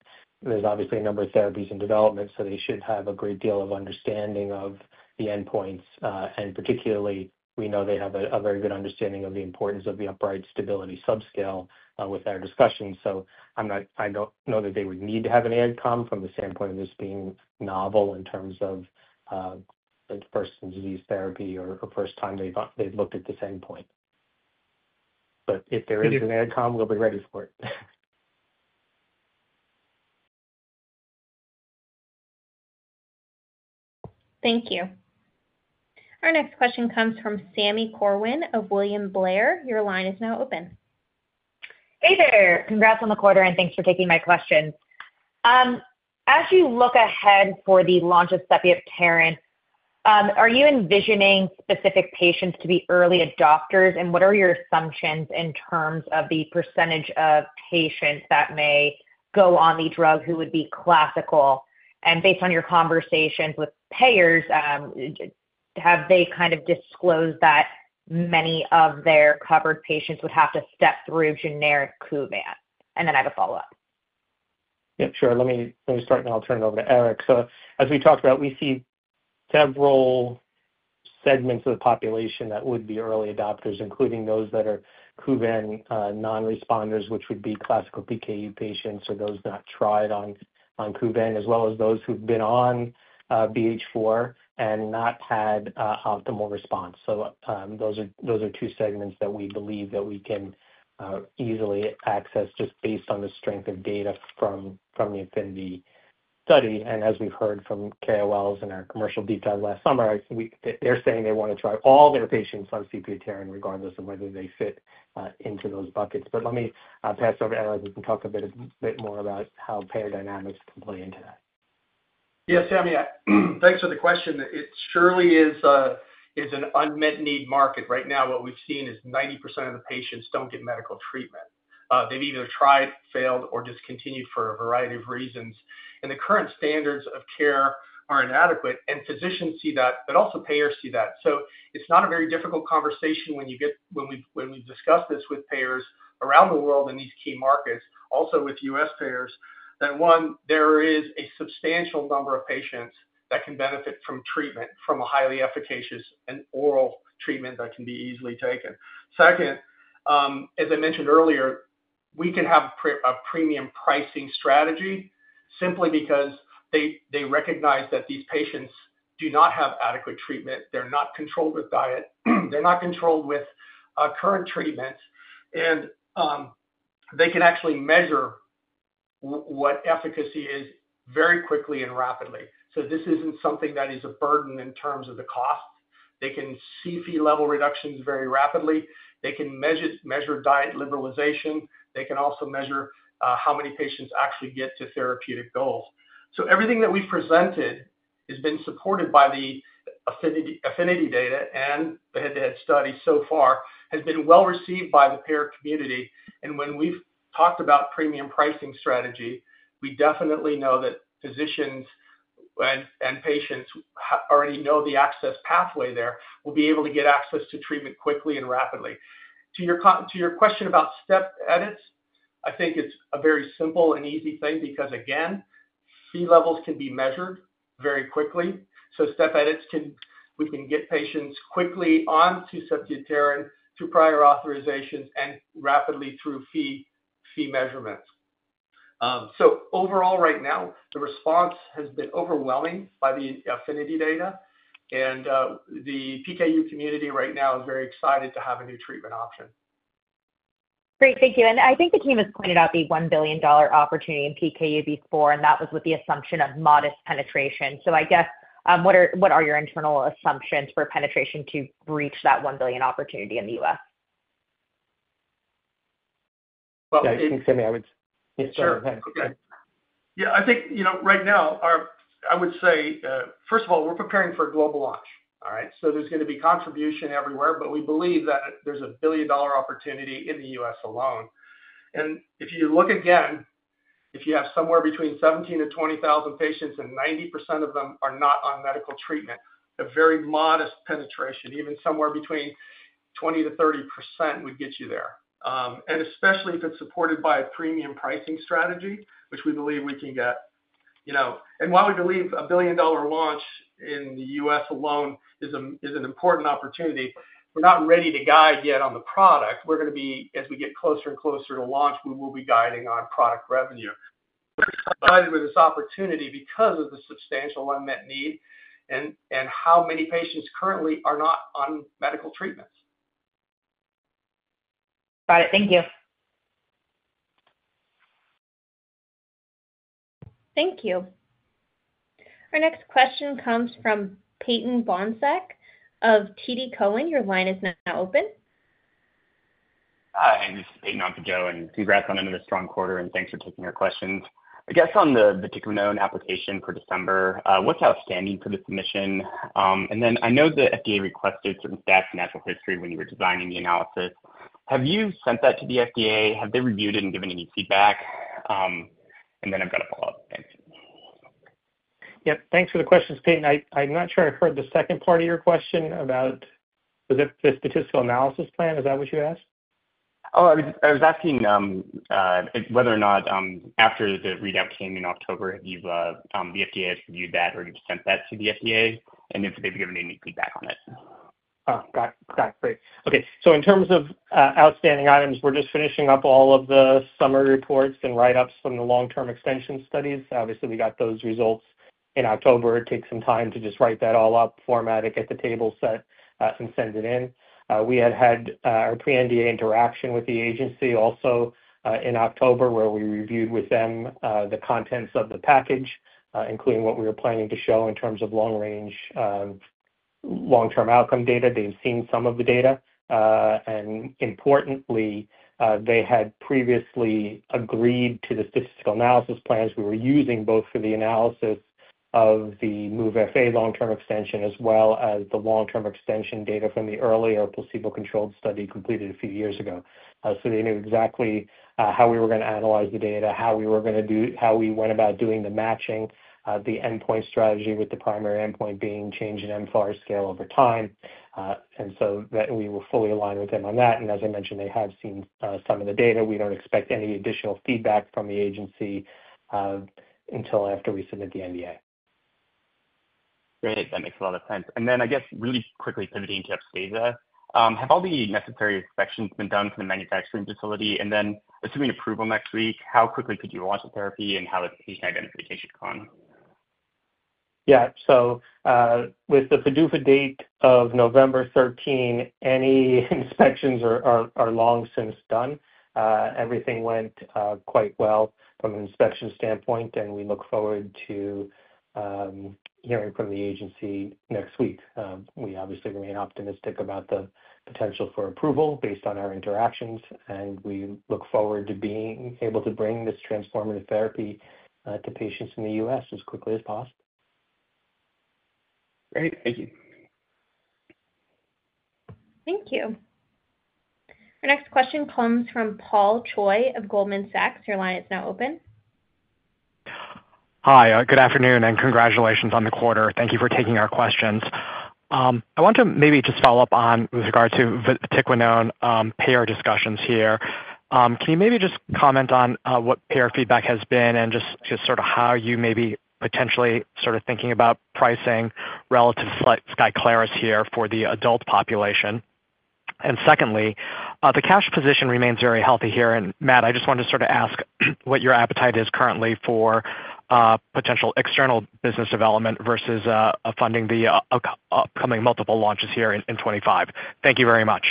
there's obviously a number of therapies in development, so they should have a great deal of understanding of the endpoints. And particularly, we know they have a very good understanding of the importance of the upright stability subscale with our discussion. So I don't know that they would need to have an AdComfrom the standpoint of this being novel in terms of the first disease therapy or first time they've looked at this endpoint. But if there is an AdCom, we'll be ready for it. Thank you. Our next question comes from Sami Corwin of William Blair. Your line is now open. Hey there. Congrats on the quarter, and thanks for taking my question. As you look ahead for the launch of sepiapterin, are you envisioning specific patients to be early adopters? And what are your assumptions in terms of the percentage of patients that may go on the drug who would be classical? And based on your conversations with payers, have they kind of disclosed that many of their covered patients would have to step through generic Kuvan? And then I have a follow-up. Yeah, sure. Let me start, and I'll turn it over to Eric. So as we talked about, we see several segments of the population that would be early adopters, including those that are Kuvan non-responders, which would be classical PKU patients or those not tried on Kuvan, as well as those who've been on BH4 and not had optimal response. So those are two segments that we believe that we can easily access just based on the strength of data from the APHENITY study. And as we've heard from KOLs in our commercial deep dive last summer, they're saying they want to try all their patients on sepiapterin, regardless of whether they fit into those buckets. But let me pass it over to Eric and talk a bit more about how payer dynamics can play into that. Yeah, Sami, thanks for the question. It surely is an unmet need market. Right now, what we've seen is 90% of the patients don't get medical treatment. They've either tried, failed, or discontinued for a variety of reasons. And the current standards of care are inadequate, and physicians see that, but also payers see that. So it's not a very difficult conversation when we've discussed this with payers around the world in these key markets, also with U.S. payers, that, one, there is a substantial number of patients that can benefit from treatment from a highly efficacious and oral treatment that can be easily taken. Second, as I mentioned earlier, we could have a premium pricing strategy simply because they recognize that these patients do not have adequate treatment. They're not controlled with diet. They're not controlled with current treatments. They can actually measure what efficacy is very quickly and rapidly. This isn't something that is a burden in terms of the cost. They can see Phe level reductions very rapidly. They can measure diet liberalization. They can also measure how many patients actually get to therapeutic goals. Everything that we've presented has been supported by the APHENITY data, and the head-to-head study so far has been well received by the payer community. When we've talked about premium pricing strategy, we definitely know that physicians and patients already know the access pathway. They will be able to get access to treatment quickly and rapidly. To your question about step edits, I think it's a very simple and easy thing because, again, Phe levels can be measured very quickly. So step edits, we can get patients quickly on to sepiapterin, through prior authorizations, and rapidly through fee measurements. So overall, right now, the response has been overwhelming by the APHENITY data. And the PKU community right now is very excited to have a new treatment option. Great. Thank you. And I think the team has pointed out the $1 billion opportunity in PKU before, and that was with the assumption of modest penetration. So I guess, what are your internal assumptions for penetration to reach that $1 billion opportunity in the U.S.? I think, Sami, I would. Sure. Yeah. I think right now, I would say, first of all, we're preparing for a global launch, all right? So there's going to be contribution everywhere, but we believe that there's a billion-dollar opportunity in the U.S. alone. And if you look again, if you have somewhere between 17,000-20,000 patients, and 90% of them are not on medical treatment, a very modest penetration, even somewhere between 20%-30% would get you there. And especially if it's supported by a premium pricing strategy, which we believe we can get. And while we believe a billion-dollar launch in the U.S. alone is an important opportunity, we're not ready to guide yet on the product. We're going to be, as we get closer and closer to launch, we will be guiding on product revenue. We're excited with this opportunity because of the substantial unmet need and how many patients currently are not on medical treatments. Got it. Thank you. Thank you. Our next question comes from Peyton Bohnsack of TD Cowen. Your line is now open. Hi. This is Peyton Bohnsack again. Congrats on another strong quarter, and thanks for taking our questions. I guess on the vatiquinone for December, what's outstanding for the submission? And then I know the FDA requested certain stats and natural history when you were designing the analysis. Have you sent that to the FDA? Have they reviewed it and given any feedback? And then I've got a follow-up. Yep. Thanks for the questions, Peyton. I'm not sure I heard the second part of your question about the statistical analysis plan. Is that what you asked? Oh, I was asking whether or not after the readout came in October, the FDA has reviewed that or you've sent that to the FDA, and if they've given any feedback on it? Oh, got it. Got it. Great. Okay, so in terms of outstanding items, we're just finishing up all of the summary reports and write-ups from the long-term extension studies. Obviously, we got those results in October. It takes some time to just write that all up, format it, get the table set, and send it in. We had had our pre-NDA interaction with the agency also in October where we reviewed with them the contents of the package, including what we were planning to show in terms of long-term outcome data. They've seen some of the data, and importantly, they had previously agreed to the statistical analysis plans we were using both for the analysis of the MOVE-FA long-term extension as well as the long-term extension data from the earlier placebo-controlled study completed a few years ago. They knew exactly how we were going to analyze the data, how we went about doing the matching, the endpoint strategy with the primary endpoint being change in mFARS over time. We were fully aligned with them on that. As I mentioned, they have seen some of the data. We don't expect any additional feedback from the agency until after we submit the NDA. Great. That makes a lot of sense. And then I guess, really quickly pivoting to Upstaza, have all the necessary inspections been done for the manufacturing facility? And then assuming approval next week, how quickly could you launch the therapy and how has patient identification gone? Yeah, so with the PDUFA date of November 13, any inspections are long since done. Everything went quite well from an inspection standpoint, and we look forward to hearing from the agency next week. We obviously remain optimistic about the potential for approval based on our interactions, and we look forward to being able to bring this transformative therapy to patients in the U.S. as quickly as possible. Great. Thank you. Thank you. Our next question comes from Paul Choi of Goldman Sachs. Your line is now open. Hi. Good afternoon and congratulations on the quarter. Thank you for taking our questions. I want to maybe just follow up on with regard to vatiquinone payer discussions here. Can you maybe just comment on what payer feedback has been and just sort of how you may be potentially sort of thinking about pricing relative to SKYCLARYS here for the adult population? And secondly, the cash position remains very healthy here. And Matt, I just wanted to sort of ask what your appetite is currently for potential external business development versus funding the upcoming multiple launches here in 2025. Thank you very much.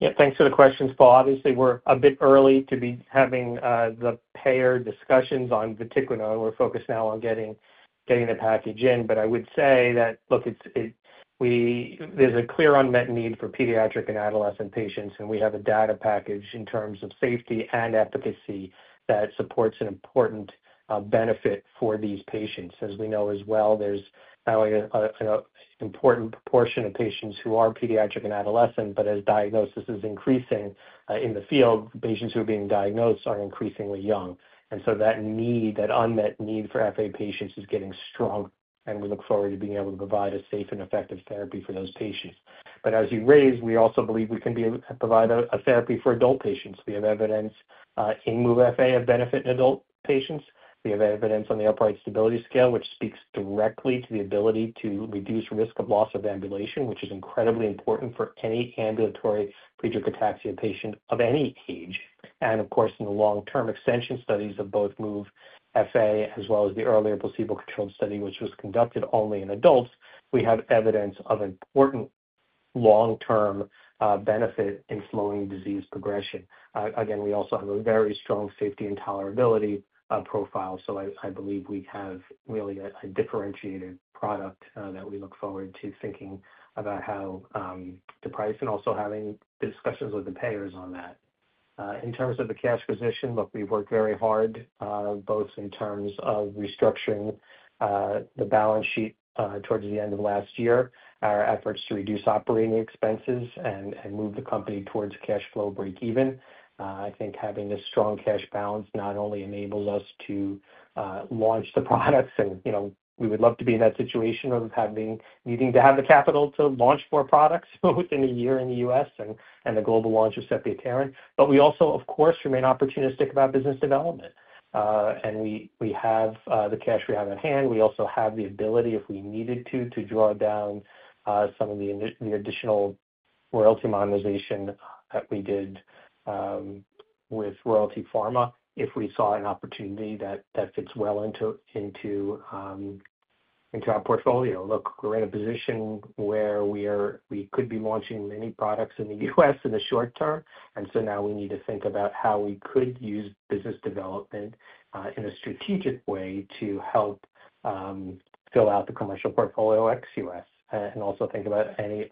Yeah. Thanks for the questions, Paul. Obviously, we're a bit early to be having the payer discussions on the vatiquinone. We're focused now on getting the package in. But I would say that, look, there's a clear unmet need for pediatric and adolescent patients. And we have a data package in terms of safety and efficacy that supports an important benefit for these patients. As we know as well, there's not only an important portion of patients who are pediatric and adolescent, but as diagnosis is increasing in the field, patients who are being diagnosed are increasingly young. And so that unmet need for FA patients is getting stronger. And we look forward to being able to provide a safe and effective therapy for those patients. But as you raised, we also believe we can provide a therapy for adult patients. We have evidence in MOVE-FA of benefit in adult patients. We have evidence on the Upright Stability Scale, which speaks directly to the ability to reduce risk of loss of ambulation, which is incredibly important for any ambulatory Friedreich's ataxia patient of any age. And of course, in the long-term extension studies of both MOVE-FA as well as the earlier placebo-controlled study, which was conducted only in adults, we have evidence of important long-term benefit in slowing disease progression. Again, we also have a very strong safety and tolerability profile. So I believe we have really a differentiated product that we look forward to thinking about how to price and also having the discussions with the payers on that. In terms of the cash position, look, we've worked very hard both in terms of restructuring the balance sheet towards the end of last year, our efforts to reduce operating expenses, and move the company towards cash flow break-even. I think having a strong cash balance not only enables us to launch the products, and we would love to be in that situation of needing to have the capital to launch more products within a year in the U.S. and the global launch of sepiapterin. But we also, of course, remain opportunistic about business development. And we have the cash we have at hand. We also have the ability, if we needed to, to draw down some of the additional royalty monetization that we did with Royalty Pharma if we saw an opportunity that fits well into our portfolio. Look, we're in a position where we could be launching many products in the U.S. in the short term, and so now we need to think about how we could use business development in a strategic way to help fill out the commercial portfolio ex-U.S. and also think about any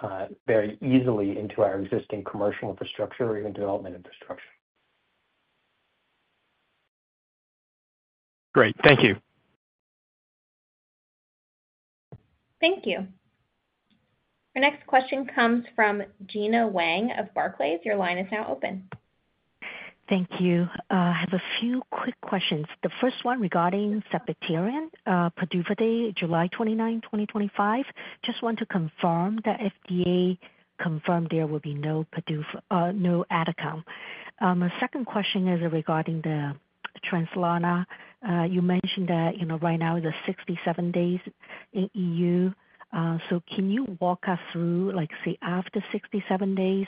other opportunities that can set very easily into our existing commercial infrastructure or even development infrastructure. Great. Thank you. Thank you. Our next question comes from Gena Wang of Barclays. Your line is now open. Thank you. I have a few quick questions. The first one regarding sepiapterin, PDUFA date July 29, 2025. Just want to confirm the FDA confirmed there will be no PDUFA—AdCom. My second question is regarding the Translarna. You mentioned that right now is 67 days in EU. So can you walk us through, say, after 67 days,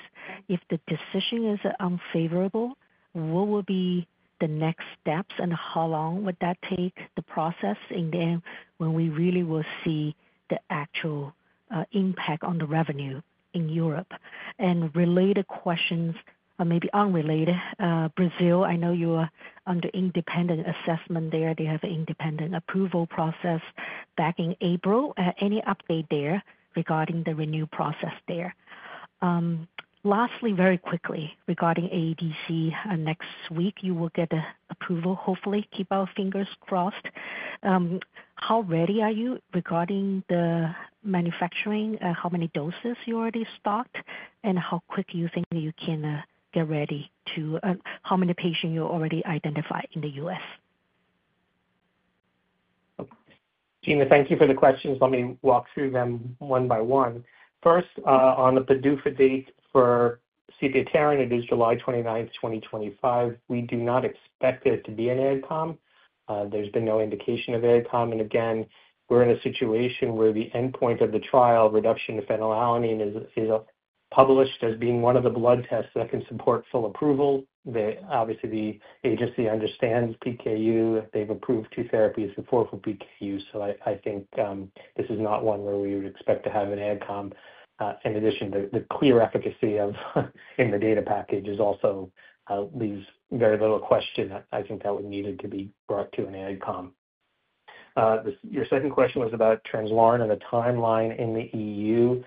if the decision is unfavorable, what will be the next steps and how long would that take, the process, and then when we really will see the actual impact on the revenue in Europe? And related questions, maybe unrelated. Brazil, I know you are under independent assessment there. They have an independent approval process back in April. Any update there regarding the review process there? Lastly, very quickly regarding AADC, next week you will get approval. Hopefully, keep our fingers crossed. How ready are you regarding the manufacturing? How many doses you already stocked? And how quick do you think you can get ready to how many patients you already identified in the U.S.? Gena, thank you for the questions. Let me walk through them one by one. First, on the PDUFA date for sepiapterin, it is July 29, 2025. We do not expect it to be an AdCom. There's been no indication of AdCom. And again, we're in a situation where the endpoint of the trial, reduction of phenylalanine, is published as being one of the blood tests that can support full approval. Obviously, the agency understands PKU. They've approved two therapies before for PKU. So I think this is not one where we would expect to have an AdCom. In addition, the clear efficacy in the data package leaves very little question. I think that would need to be brought to an AdCom. Your second question was about Translarna and the timeline in the EU.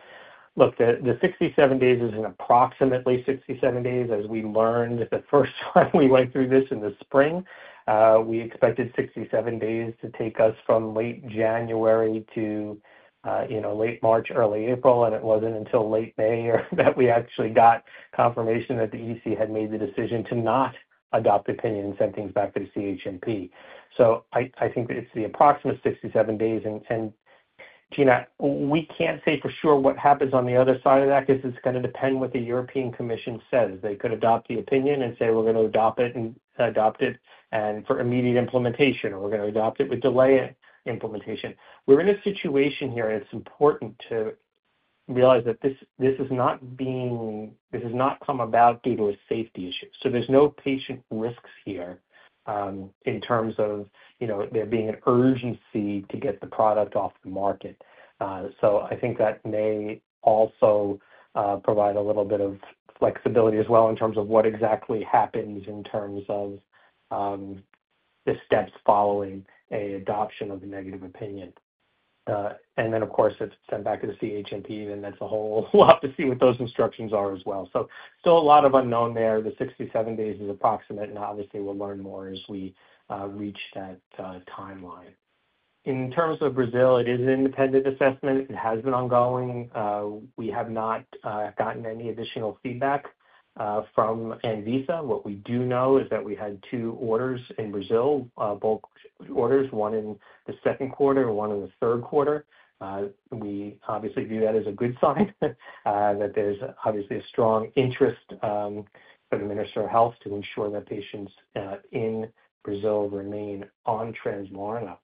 Look, the 67 days is in approximately 67 days. As we learned the first time we went through this in the spring, we expected 67 days to take us from late January to late March, early April. And it wasn't until late May that we actually got confirmation that the EC had made the decision to not adopt the opinion and send things back to the CHMP. So I think it's the approximate 67 days. And Gena, we can't say for sure what happens on the other side of that because it's going to depend what the European Commission says. They could adopt the opinion and say, "We're going to adopt it," and adopt it for immediate implementation, or, "We're going to adopt it with delayed implementation." We're in a situation here, and it's important to realize that this is not coming about due to a safety issue. So there's no patient risks here in terms of there being an urgency to get the product off the market. So I think that may also provide a little bit of flexibility as well in terms of what exactly happens in terms of the steps following an adoption of the negative opinion. And then, of course, if it's sent back to the CHMP, then that's a whole lot to see what those instructions are as well. So still a lot of unknown there. The 67 days is approximate. And obviously, we'll learn more as we reach that timeline. In terms of Brazil, it is an independent assessment. It has been ongoing. We have not gotten any additional feedback from Anvisa. What we do know is that we had two orders in Brazil, bulk orders, one in the second quarter and one in the third quarter. We obviously view that as a good sign that there's obviously a strong interest for the Minister of Health to ensure that patients in Brazil remain on Translarna.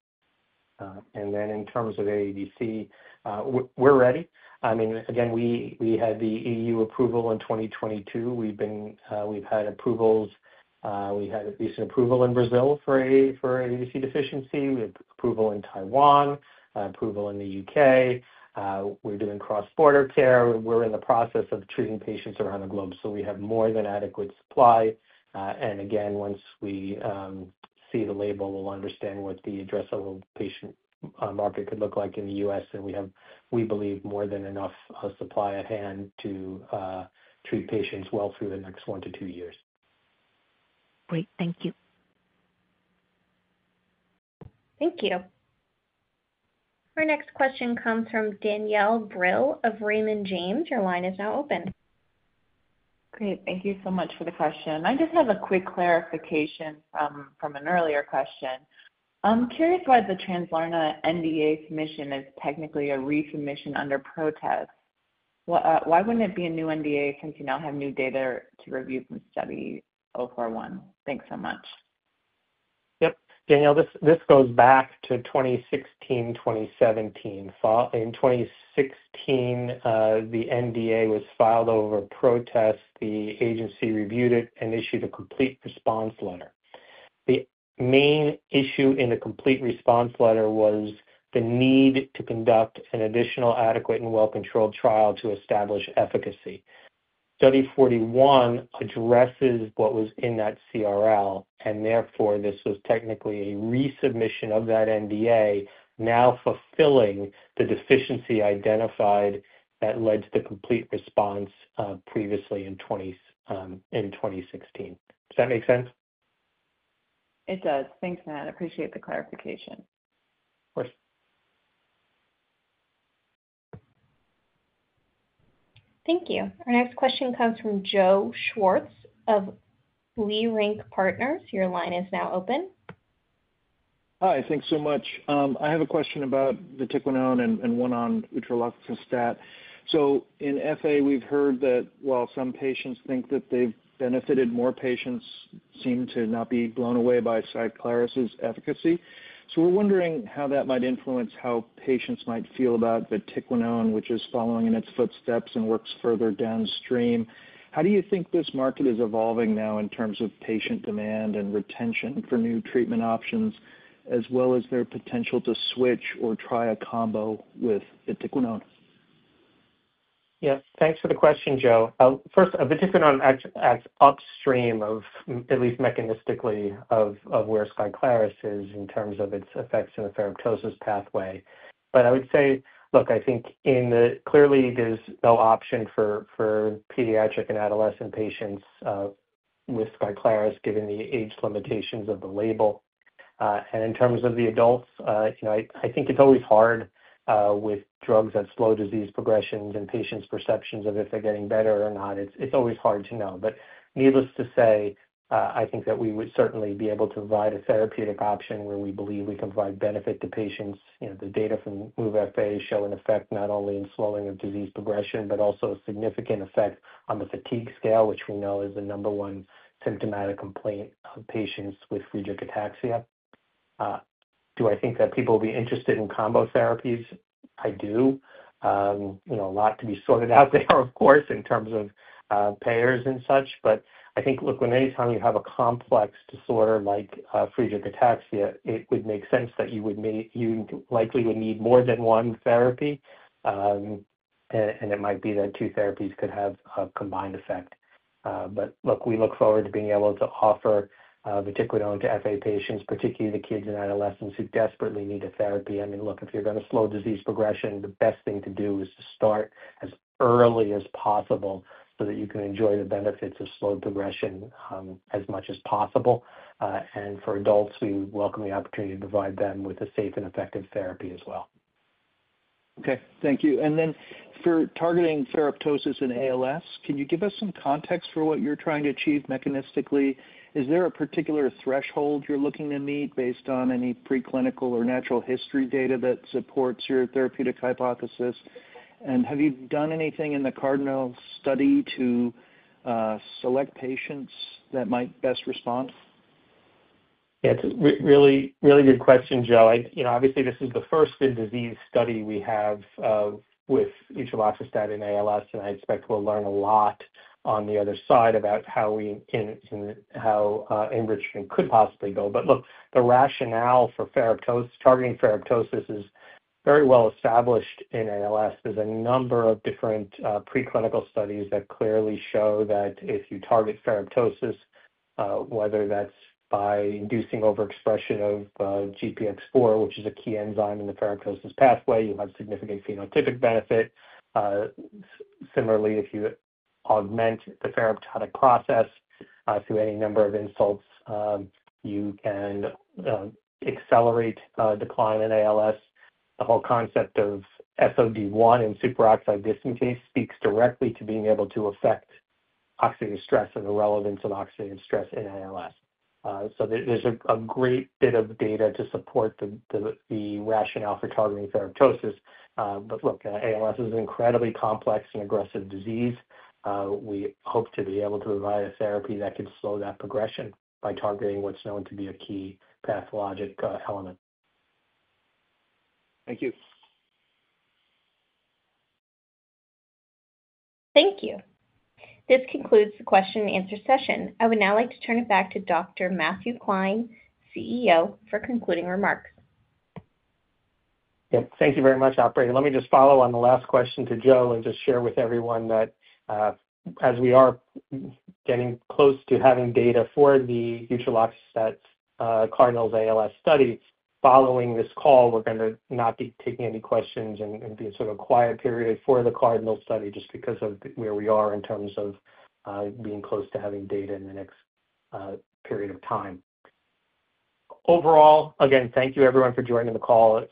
And then in terms of AADC, we're ready. I mean, again, we had the EU approval in 2022. We've had approvals. We had a recent approval in Brazil for AADC deficiency. We have approval in Taiwan, approval in the U.K. We're doing cross-border care. We're in the process of treating patients around the globe. So we have more than adequate supply. And again, once we see the label, we'll understand what the addressable patient market could look like in the U.S. And we believe more than enough supply at hand to treat patients well through the next one to two years. Great. Thank you. Thank you. Our next question comes from Danielle Brill of Raymond James. Your line is now open. Great. Thank you so much for the question. I just have a quick clarification from an earlier question. I'm curious why the Translarna NDA submission is technically a resubmission under protest. Why wouldn't it be a new NDA since you now have new data to review from Study 041? Thanks so much. Yep. Danielle, this goes back to 2016, 2017. In 2016, the NDA was filed over protest. The agency reviewed it and issued a complete response letter. The main issue in the complete response letter was the need to conduct an additional adequate and well-controlled trial to establish efficacy. Study 041 addresses what was in that CRL. And therefore, this was technically a resubmission of that NDA, now fulfilling the deficiency identified that led to the complete response previously in 2016. Does that make sense? It does. Thanks, Matt. I appreciate the clarification. Of course. Thank you. Our next question comes from Joe Schwartz of Leerink Partners. Your line is now open. Hi. Thanks so much. I have a question about the vatiquinone and one on utreloxastat. So in FA, we've heard that while some patients think that they've benefited, more patients seem to not be blown away by SKYCLARYS's efficacy. So we're wondering how that might influence how patients might feel about the vatiquinone, which is following in its footsteps and works further downstream. How do you think this market is evolving now in terms of patient demand and retention for new treatment options, as well as their potential to switch or try a combo with the vatiquinone? Yeah. Thanks for the question, Joe. First, the vatiquinone acts upstream of, at least mechanistically, of where SKYCLARYS is in terms of its effects in the ferroptosis pathway. But I would say, look, I think clearly there's no option for pediatric and adolescent patients with SKYCLARYS given the age limitations of the label. And in terms of the adults, I think it's always hard with drugs that slow disease progressions and patients' perceptions of if they're getting better or not. It's always hard to know. But needless to say, I think that we would certainly be able to provide a therapeutic option where we believe we can provide benefit to patients. The data from MOVE-FA show an effect not only in slowing of disease progression, but also a significant effect on the fatigue scale, which we know is the number one symptomatic complaint of patients with Friedreich's ataxia. Do I think that people will be interested in combo therapies? I do. A lot to be sorted out there, of course, in terms of payers and such. But I think, look, when anytime you have a complex disorder like Friedreich's ataxia, it would make sense that you likely would need more than one therapy. And it might be that two therapies could have a combined effect. But look, we look forward to being able to offer the vatiquinone to FA patients, particularly the kids and adolescents who desperately need a therapy. I mean, look, if you're going to slow disease progression, the best thing to do is to start as early as possible so that you can enjoy the benefits of slowed progression as much as possible. And for adults, we welcome the opportunity to provide them with a safe and effective therapy as well. Okay. Thank you. And then for targeting ferroptosis and ALS, can you give us some context for what you're trying to achieve mechanistically? Is there a particular threshold you're looking to meet based on any preclinical or natural history data that supports your therapeutic hypothesis? And have you done anything in the CardinALS study to select patients that might best respond? Yeah. It's a really good question, Joe. Obviously, this is the first in-disease study we have with utreloxastat in ALS. And I expect we'll learn a lot on the other side about how enrichment could possibly go. But look, the rationale for targeting ferroptosis is very well established in ALS. There's a number of different preclinical studies that clearly show that if you target ferroptosis, whether that's by inducing overexpression of GPX4, which is a key enzyme in the ferroptosis pathway, you have significant phenotypic benefit. Similarly, if you augment the ferroptotic process through any number of insults, you can accelerate decline in ALS. The whole concept of SOD1 and superoxide dismutase speaks directly to being able to affect oxidative stress and the relevance of oxidative stress in ALS. So there's a great bit of data to support the rationale for targeting ferroptosis. But look, ALS is an incredibly complex and aggressive disease. We hope to be able to provide a therapy that can slow that progression by targeting what's known to be a key pathologic element. Thank you. Thank you. This concludes the question-and-answer session. I would now like to turn it back to Dr. Matthew Klein, CEO, for concluding remarks. Yep. Thank you very much, Operator. Let me just follow on the last question to Joe and just share with everyone that as we are getting close to having data for the utreloxastat CardinALS ALS study, following this call, we're going to not be taking any questions and be in sort of a quiet period for the CardinALS study just because of where we are in terms of being close to having data in the next period of time. Overall, again, thank you, everyone, for joining the call.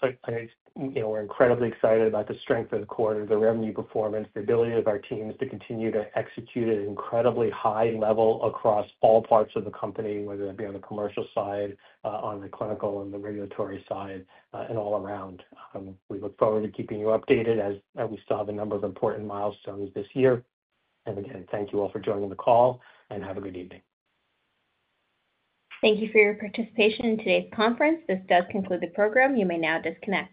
We're incredibly excited about the strength of the quarter, the revenue performance, the ability of our teams to continue to execute at an incredibly high level across all parts of the company, whether that be on the commercial side, on the clinical, and the regulatory side, and all around. We look forward to keeping you updated as we still have a number of important milestones this year, and again, thank you all for joining the call and have a good evening. Thank you for your participation in today's conference. This does conclude the program. You may now disconnect.